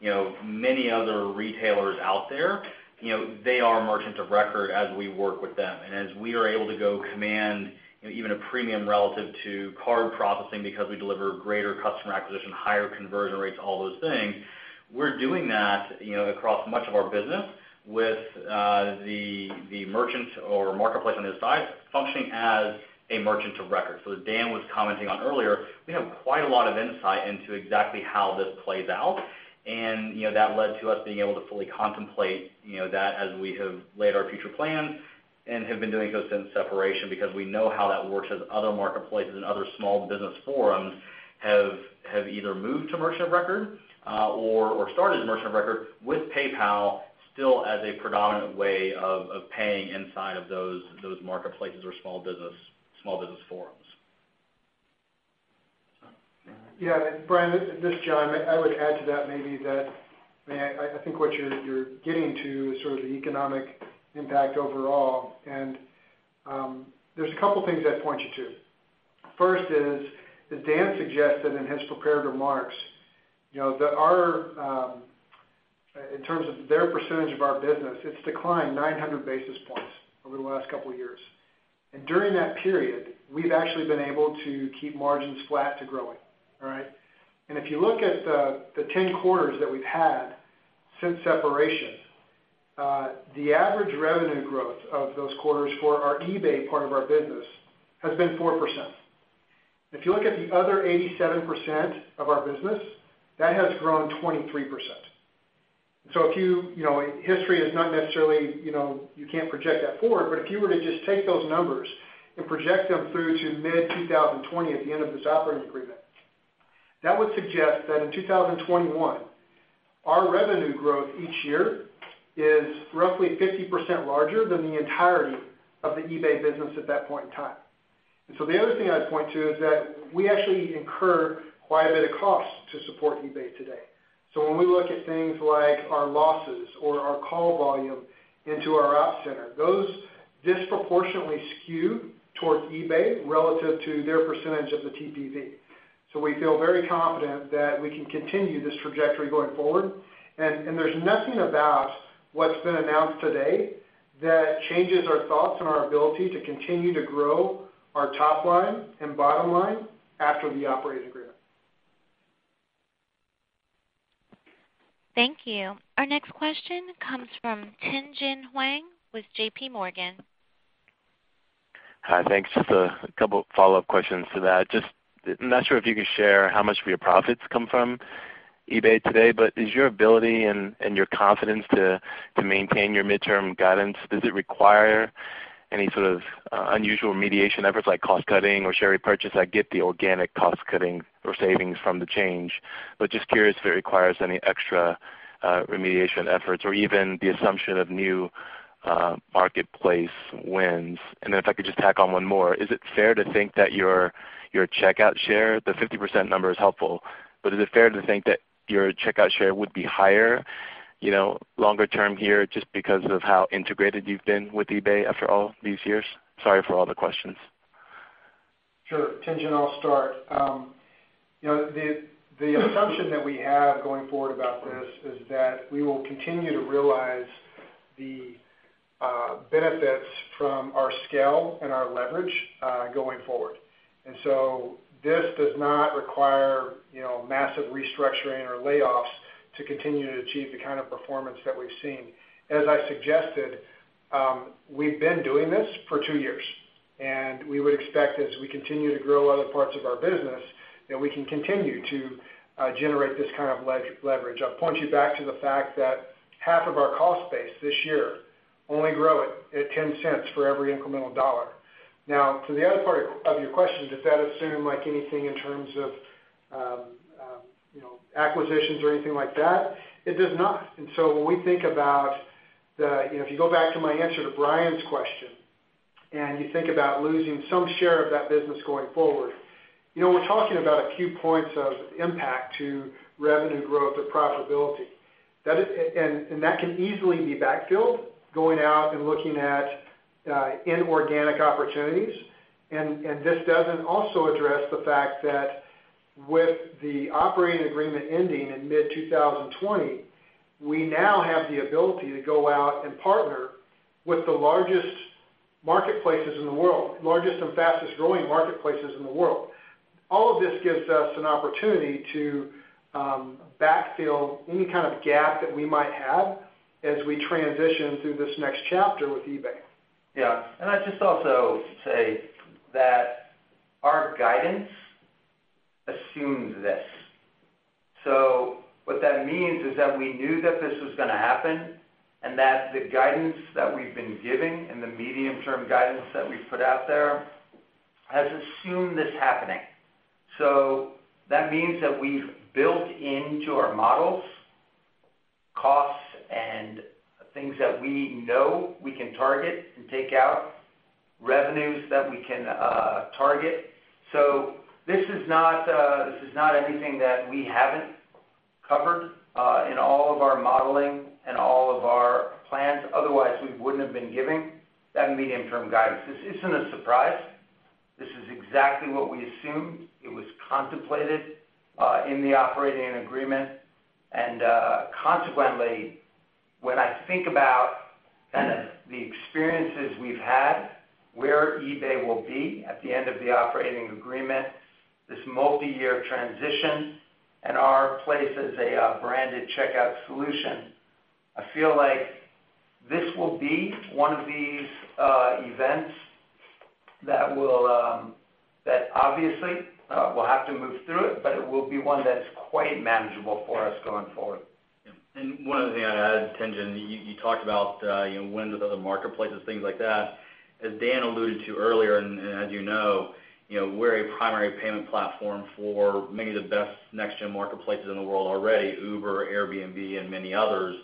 you know, many other retailers out there, you know, they are merchant of record as we work with them. As we are able to go command, you know, even a premium relative to card processing because we deliver greater customer acquisition, higher conversion rates, all those things, we're doing that, you know, across much of our business with, the merchant or marketplace on their side functioning as a merchant of record. As Dan was commenting on earlier, we have quite a lot of insight into exactly how this plays out. You know, that led to us being able to fully contemplate, you know, that as we have laid our future plans and have been doing so since separation because we know how that works as other marketplaces and other small business forums have either moved to merchant of record, or started as merchant of record with PayPal still as a predominant way of paying inside of those marketplaces or small business forums. Yeah, Bryan, this is John. I would add to that maybe that, I mean, I think what you're getting to is sort of the economic impact overall. There's a couple things I'd point you to. First is, as Dan suggested in his prepared remarks, you know, our in terms of their percentage of our business, it's declined 900 basis points over the last couple years. During that period, we've actually been able to keep margins flat to growing, right? If you look at the 10 quarters that we've had since separation, the average revenue growth of those quarters for our eBay part of our business has been 4%. If you look at the other 87% of our business, that has grown 23%. If you know, history is not necessarily, you know, you can't project that forward, but if you were to just take those numbers and project them through to mid-2020 at the end of this operating agreement, that would suggest that in 2021, our revenue growth each year is roughly 50% larger than the entirety of the eBay business at that point in time. The other thing I'd point to is that we actually incur quite a bit of cost to support eBay today. When we look at things like our losses or our call volume into our ops center, those disproportionately skew towards eBay relative to their percentage of the TPV. We feel very confident that we can continue this trajectory going forward. There's nothing about what's been announced today that changes our thoughts and our ability to continue to grow our top line and bottom line after the operating agreement. Thank you. Our next question comes from Tien-tsin Huang with JPMorgan. Hi, thanks. Just a follow-up questions to that. Not sure if you could share how much of your profits come from eBay today, is your ability and your confidence to maintain your midterm guidance, does it require any sort of unusual mediation efforts like cost-cutting or share repurchase? I get the organic cost-cutting or savings from the change, just curious if it requires any extra remediation efforts or even the assumption of new marketplace wins. If I could just tack on one more. Is it fair to think that your checkout share, the 50% number is helpful, is it fair to think that your checkout share would be higher, you know, longer term here just because of how integrated you've been with eBay after all these years? Sorry for all the questions. Sure. Tien-tsin, I'll start. You know, the assumption that we have going forward about this is that we will continue to realize the benefits from our scale and our leverage going forward. This does not require, you know, massive restructuring or layoffs to continue to achieve the kind of performance that we've seen. As I suggested, we've been doing this for two years, and we would expect as we continue to grow other parts of our business, that we can continue to generate this kind of leverage. I'll point you back to the fact that half of our cost base this year only grow at $0.10 for every incremental dollar. To the other part of your question, does that assume like anything in terms of, you know, acquisitions or anything like that? It does not. When we think about the, you know, if you go back to my answer to Bryan's question, and you think about losing some share of that business going forward, you know, we're talking about a few points of impact to revenue growth or profitability. That can easily be backfilled going out and looking at inorganic opportunities. This doesn't also address the fact that with the operating agreement ending in mid-2020, we now have the ability to go out and partner with the largest marketplaces in the world, largest and fastest-growing marketplaces in the world. All of this gives us an opportunity to backfill any kind of gap that we might have as we transition through this next chapter with eBay. Yeah. I'd just also say that our guidance assumes this. What that means is that we knew that this was gonna happen and that the guidance that we've been giving and the medium-term guidance that we've put out there has assumed this happening. That means that we've built into our models costs and things that we know we can target and take out, revenues that we can target. This is not, this is not anything that we haven't Covered in all of our modeling and all of our plans. Otherwise, we wouldn't have been giving that medium-term guidance. This isn't a surprise. This is exactly what we assumed. It was contemplated in the operating agreement. Consequently, when I think about kind of the experiences we've had, where eBay will be at the end of the operating agreement, this multi-year transition, and our place as a branded checkout solution, I feel like this will be one of these events that will, obviously, we'll have to move through it, but it will be one that's quite manageable for us going forward. Yeah. One other thing I'd add, Tien-tsin, you talked about, you know, wins with other marketplaces, things like that. As Dan alluded to earlier, and as you know, you know, we're a primary payment platform for many of the best next-gen marketplaces in the world already, Uber, Airbnb, and many others.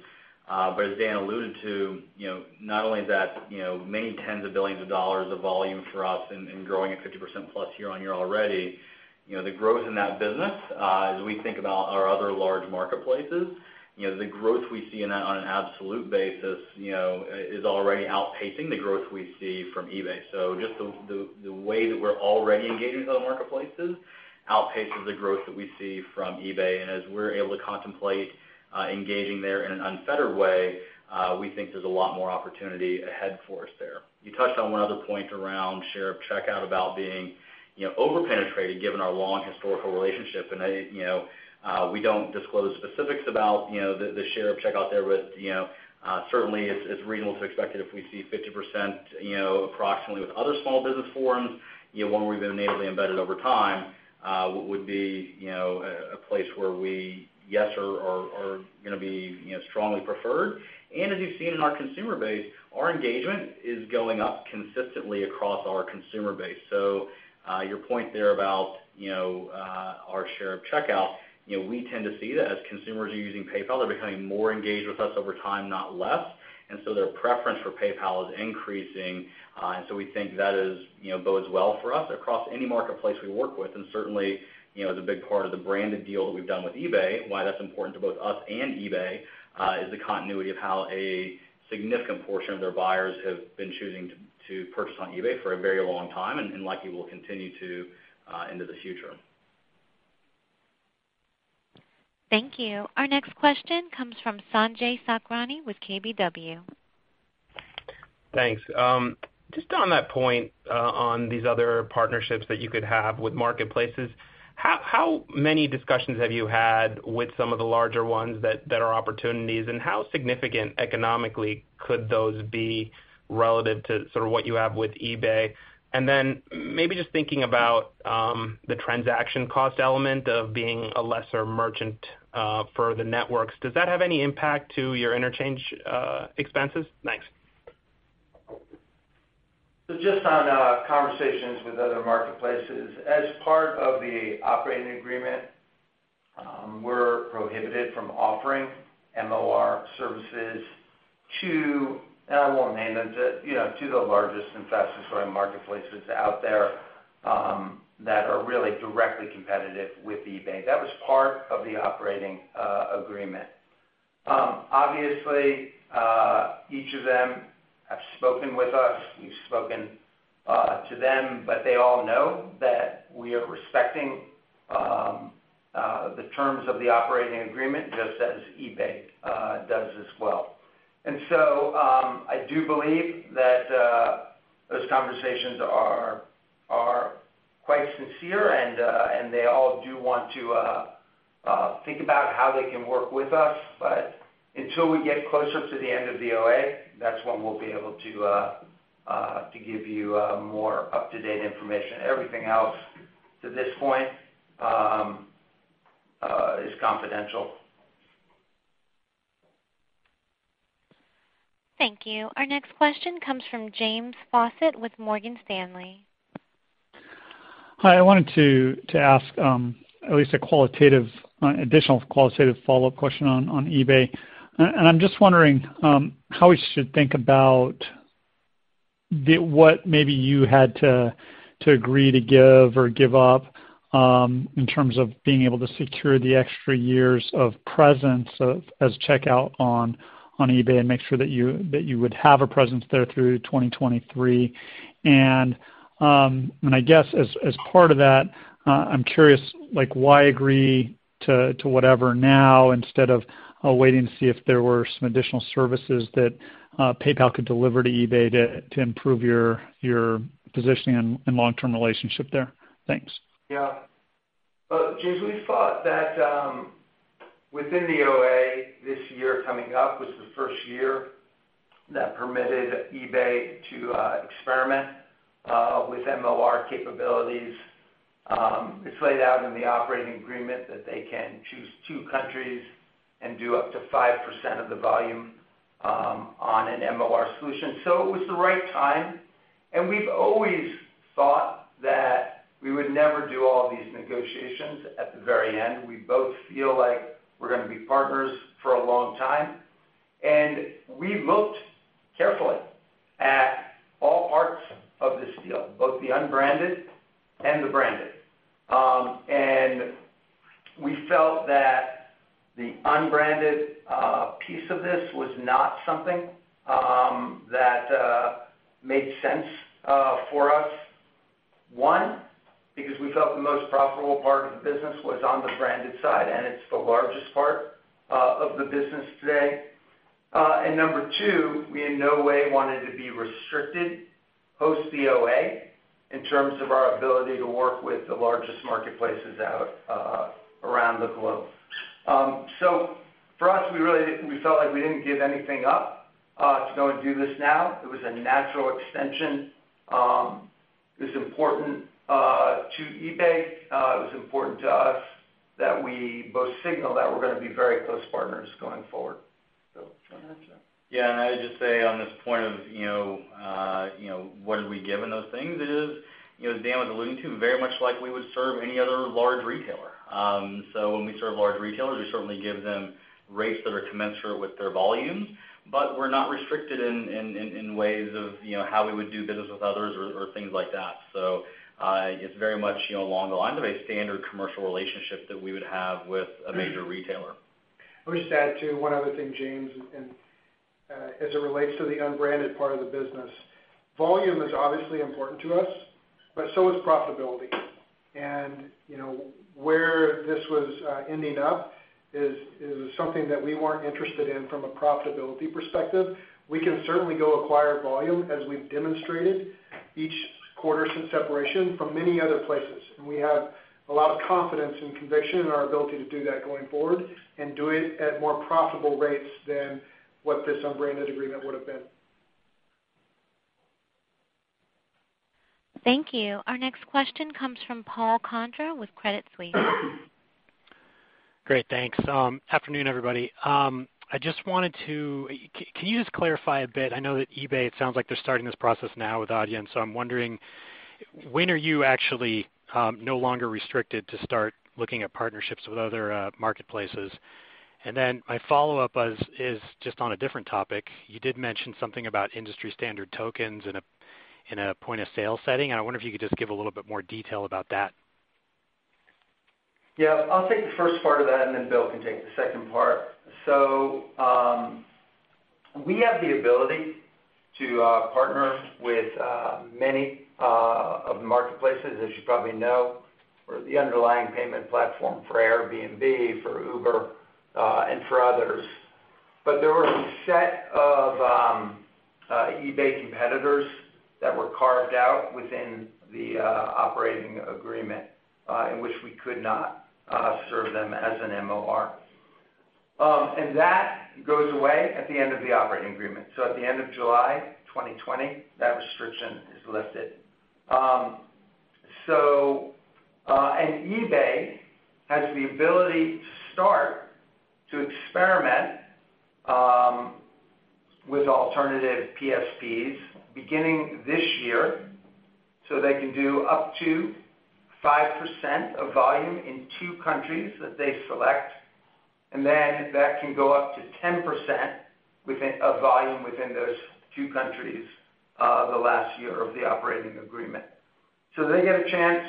As Dan alluded to, you know, not only is that, you know, many tens of billions of dollars of volume for us and growing at 50% plus year-over-year already, you know, the growth in that business, as we think about our other large marketplaces, you know, the growth we see in that on an absolute basis, you know, is already outpacing the growth we see from eBay. Just the way that we're already engaging with other marketplaces outpaces the growth that we see from eBay. As we're able to contemplate engaging there in an unfettered way, we think there's a lot more opportunity ahead for us there. You touched on one other point around share of checkout about being, you know, over-penetrated given our long historical relationship. I, you know, we don't disclose specifics about, you know, the share of checkout there, but, you know, certainly it's reasonable to expect that if we see 50%, you know, approximately with other small business forums, you know, one where we've been natively embedded over time, would be, you know, a place where we, yes, are gonna be, you know, strongly preferred. As you've seen in our consumer base, our engagement is going up consistently across our consumer base. Your point there about, you know, our share of checkout, you know, we tend to see that as consumers are using PayPal, they're becoming more engaged with us over time, not less. Their preference for PayPal is increasing. We think that is, you know, bodes well for us across any marketplace we work with. Certainly, you know, the big part of the branded deal that we've done with eBay, why that's important to both us and eBay, is the continuity of how a significant portion of their buyers have been choosing to purchase on eBay for a very long time, and likely will continue to into the future. Thank you. Our next question comes from Sanjay Sakhrani with KBW. Thanks. Just on that point, on these other partnerships that you could have with marketplaces, how many discussions have you had with some of the larger ones that are opportunities, and how significant economically could those be relative to sort of what you have with eBay? Then maybe just thinking about the transaction cost element of being a lesser merchant for the networks, does that have any impact to your interchange expenses? Thanks. Just on conversations with other marketplaces. As part of the operating agreement, we're prohibited from offering MOR services to, and I won't name them, to, you know, to the largest and fastest-growing marketplaces out there that are really directly competitive with eBay. That was part of the operating agreement. Obviously, each of them have spoken with us. We've spoken to them, but they all know that we are respecting the terms of the operating agreement just as eBay does as well. I do believe that those conversations are quite sincere and they all do want to think about how they can work with us. Until we get closer to the end of the OA, that's when we'll be able to give you more up-to-date information. Everything else to this point is confidential. Thank you. Our next question comes from James Faucette with Morgan Stanley. Hi, I wanted to ask an additional qualitative follow-up question on eBay. I'm just wondering how we should think about what maybe you had to agree to give or give up in terms of being able to secure the extra years of presence as checkout on eBay and make sure that you would have a presence there through 2023. I guess as part of that, I'm curious, like why agree to whatever now instead of waiting to see if there were some additional services that PayPal could deliver to eBay to improve your positioning and long-term relationship there? Thanks. James, we thought that within the OA this year coming up was the first year that permitted eBay to experiment with MOR capabilities. It's laid out in the operating agreement that they can choose two countries and do up to 5% of the volume on an MOR solution. It was the right time, and we've always thought that we would never do all these negotiations at the very end. We both feel like we're gonna be partners for a long time. We looked carefully at all parts of this deal, both the unbranded and the branded. We felt that the unbranded piece of this was not something that made sense for us. One, because we felt the most profitable part of the business was on the branded side, and it's the largest part of the business today. Number two, we in no way wanted to be restricted post-OA in terms of our ability to work with the largest marketplaces out around the globe. For us, we felt like we didn't give anything up to go and do this now. It was a natural extension. It was important to eBay, it was important to us that we both signal that we're gonna be very close partners going forward. Bill, do you wanna add to that? Yeah. I would just say on this point of, you know, what have we given those things is, you know, as Dan was alluding to, very much like we would serve any other large retailer. When we serve large retailers, we certainly give them rates that are commensurate with their volume, but we're not restricted in ways of, you know, how we would do business with others or things like that. It's very much, you know, along the lines of a standard commercial relationship that we would have with a major retailer. Let me just add too, one other thing, James, as it relates to the unbranded part of the business. Volume is obviously important to us, but so is profitability. You know, where this was ending up is something that we weren't interested in from a profitability perspective. We can certainly go acquire volume as we've demonstrated each quarter since separation from many other places, we have a lot of confidence and conviction in our ability to do that going forward and do it at more profitable rates than what this unbranded agreement would have been. Thank you. Our next question comes from Paul Condra with Credit Suisse. Great. Thanks. Afternoon, everybody. I just wanted to clarify a bit? I know that eBay, it sounds like they're starting this process now with Adyen, so I'm wondering, when are you actually no longer restricted to start looking at partnerships with other marketplaces? My follow-up was, is just on a different topic. You did mention something about industry standard tokens in a point-of-sale setting, and I wonder if you could just give a little bit more detail about that. I'll take the first part of that, and then Bill can take the second part. We have the ability to partner with many of the marketplaces. As you probably know, we're the underlying payment platform for Airbnb, for Uber, and for others. There were a set of eBay competitors that were carved out within the operating agreement in which we could not serve them as an MOR. That goes away at the end of the operating agreement. At the end of July 2020, that restriction is lifted. eBay has the ability to start to experiment with alternative PSPs beginning this year, so they can do up to 5% of volume in two countries that they select, and then that can go up to 10% of volume within those two countries the last year of the operating agreement. It's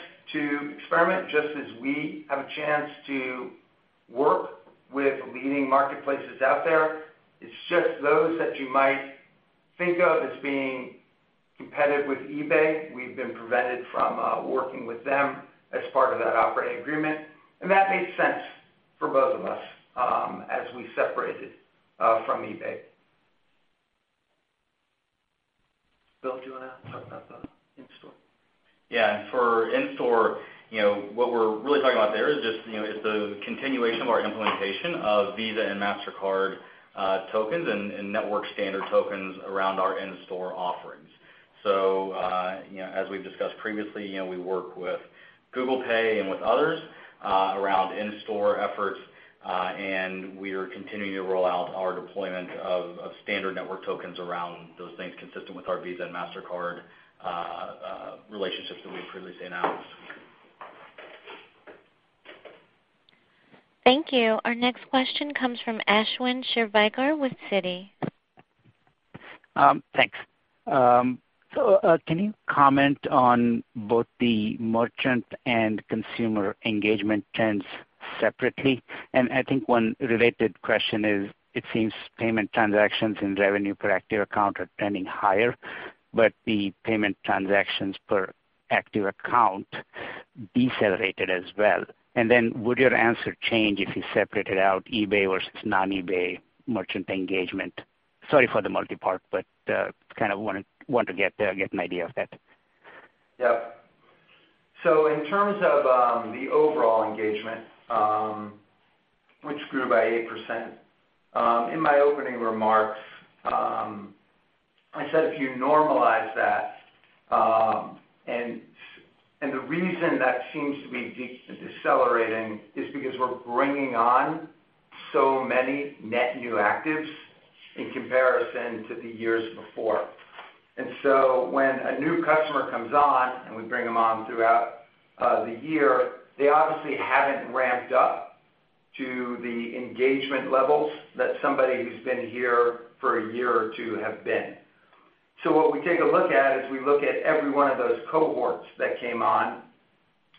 just those that you might think of as being competitive with eBay, we've been prevented from working with them as part of that operating agreement. That made sense for both of us as we separated from eBay. Bill, do you wanna talk about the in-store? For in-store, you know, what we're really talking about there is just, you know, is the continuation of our implementation of Visa and Mastercard tokens and network standard tokens around our in-store offerings. As we've discussed previously, you know, we work with Google Pay and with others around in-store efforts, and we are continuing to roll out our deployment of standard network tokens around those things consistent with our Visa and Mastercard relationships that we previously announced. Thank you. Our next question comes from Ashwin Shirvaikar with Citi. Thanks. Can you comment on both the merchant and consumer engagement trends separately? I think one related question is, it seems payment transactions and revenue per active account are trending higher, but the payment transactions per active account decelerated as well. Would your answer change if you separated out eBay versus non-eBay merchant engagement? Sorry for the multi-part, but kind of want to, want to get an idea of that. In terms of the overall engagement, which grew by 8%, in my opening remarks, I said if you normalize that, the reason that seems to be decelerating is because we're bringing on so many net new actives in comparison to the years before. When a new customer comes on, and we bring them on throughout the year, they obviously haven't ramped up to the engagement levels that somebody who's been here for a year or two have been. What we take a look at is we look at every one of those cohorts that came on,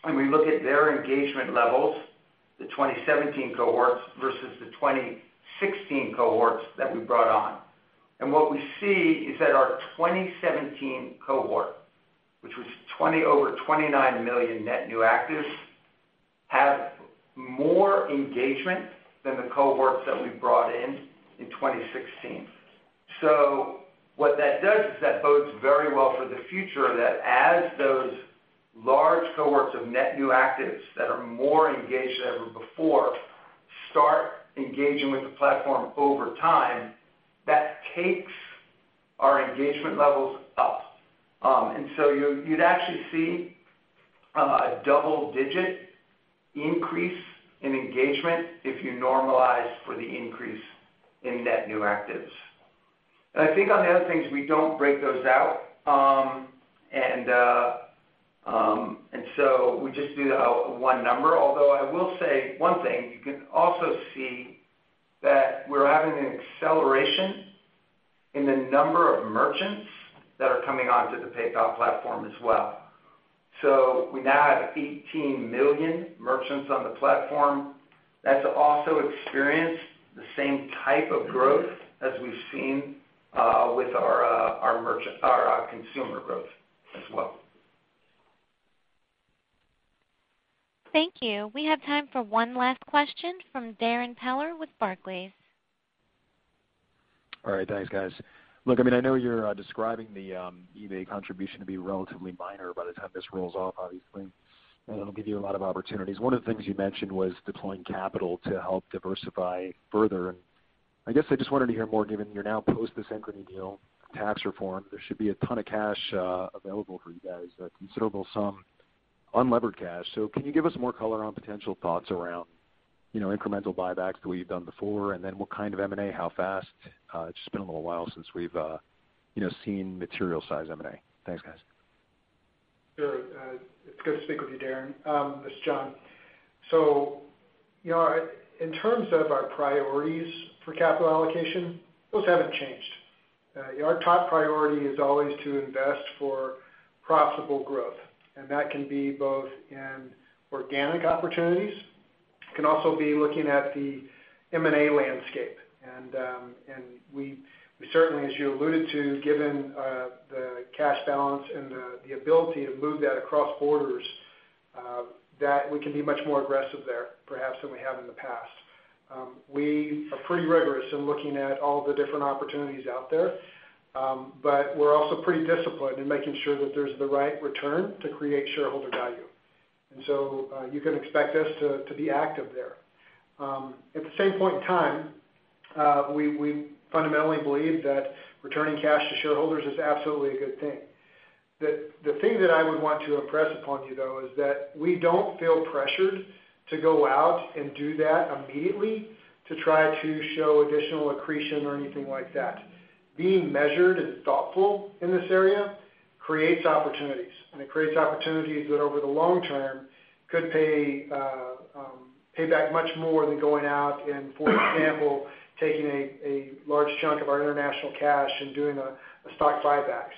and we look at their engagement levels, the 2017 cohorts versus the 2016 cohorts that we brought on. What we see is that our 2017 cohort, which was over 29 million net new actives, have more engagement than the cohorts that we brought in in 2016. What that does is that bodes very well for the future that as those large cohorts of net new actives that are more engaged than ever before start engaging with the platform over time, that takes our engagement levels up. You'd actually see a double-digit increase in engagement if you normalize for the increase in net new actives. I think on the other things, we don't break those out. We just do the one number, although I will say one thing. You can also see that we're having an acceleration in the number of merchants that are coming onto the PayPal platform as well. We now have 18 million merchants on the platform that's also experienced the same type of growth as we've seen with our consumer growth as well. Thank you. We have time for one last question from Darrin Peller with Barclays. All right. Thanks, guys. Look, I mean, I know you're describing the eBay contribution to be relatively minor by the time this rolls off, obviously. It'll give you a lot of opportunities. One of the things you mentioned was deploying capital to help diversify further. I guess I just wanted to hear more given you're now post the Synchrony deal tax reform. There should be a ton of cash available for you guys, a considerable sum unlevered cash. Can you give us more color on potential thoughts around, you know, incremental buybacks the way you've done before? What kind of M&A? How fast? It's been a little while since we've, you know, seen material size M&A. Thanks, guys. Sure. It's good to speak with you, Darrin. It's John. You know, in terms of our priorities for capital allocation, those haven't changed. Our top priority is always to invest for profitable growth, and that can be both in organic opportunities. It can also be looking at the M&A landscape. We certainly, as you alluded to, given the cash balance and the ability to move that across borders, that we can be much more aggressive there perhaps than we have in the past. We are pretty rigorous in looking at all the different opportunities out there. We're also pretty disciplined in making sure that there's the right return to create shareholder value. You can expect us to be active there. At the same point in time, we fundamentally believe that returning cash to shareholders is absolutely a good thing. The thing that I would want to impress upon you, though, is that we don't feel pressured to go out and do that immediately to try to show additional accretion or anything like that. Being measured and thoughtful in this area creates opportunities, and it creates opportunities that over the long term could pay back much more than going out and, for example, taking a large chunk of our international cash and doing a stock buyback.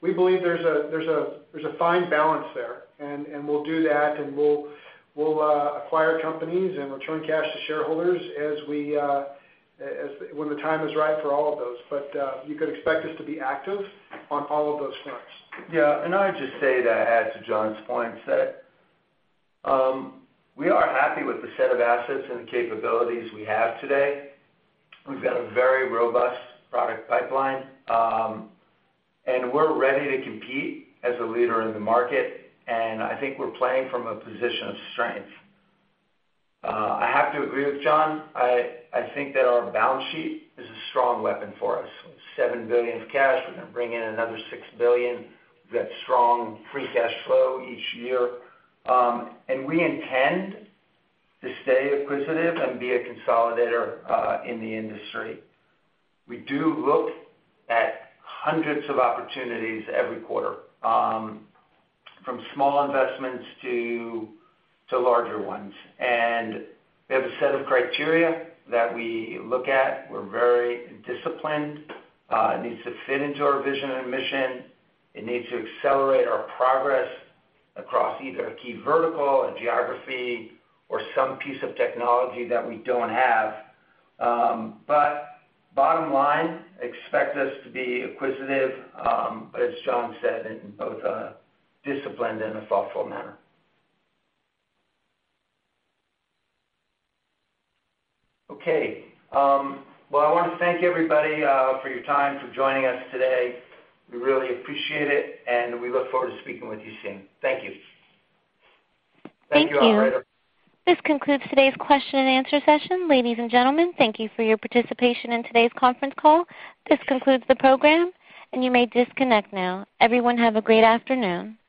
We believe there's a fine balance there, and we'll do that, and we'll acquire companies and return cash to shareholders as when the time is right for all of those. You could expect us to be active on all of those fronts. Yeah. I would just say to add to John's point, that we are happy with the set of assets and capabilities we have today. We've got a very robust product pipeline, and we're ready to compete as a leader in the market, and I think we're playing from a position of strength. I have to agree with John. I think that our balance sheet is a strong weapon for us. $7 billion of cash. We're gonna bring in another $6 billion. We've got strong free cash flow each year. We intend to stay acquisitive and be a consolidator in the industry. We do look at hundreds of opportunities every quarter, from small investments to larger ones. We have a set of criteria that we look at. We're very disciplined. It needs to fit into our vision and mission. It needs to accelerate our progress across either a key vertical, a geography, or some piece of technology that we don't have. Bottom line, expect us to be acquisitive, as John said, in both a disciplined and a thoughtful manner. Okay. Well, I want to thank everybody for your time, for joining us today. We really appreciate it, and we look forward to speaking with you soon. Thank you. Thank you. Thank you, operator. This concludes today's question and answer session. Ladies and gentlemen, thank you for your participation in today's conference call. This concludes the program, and you may disconnect now. Everyone, have a great afternoon.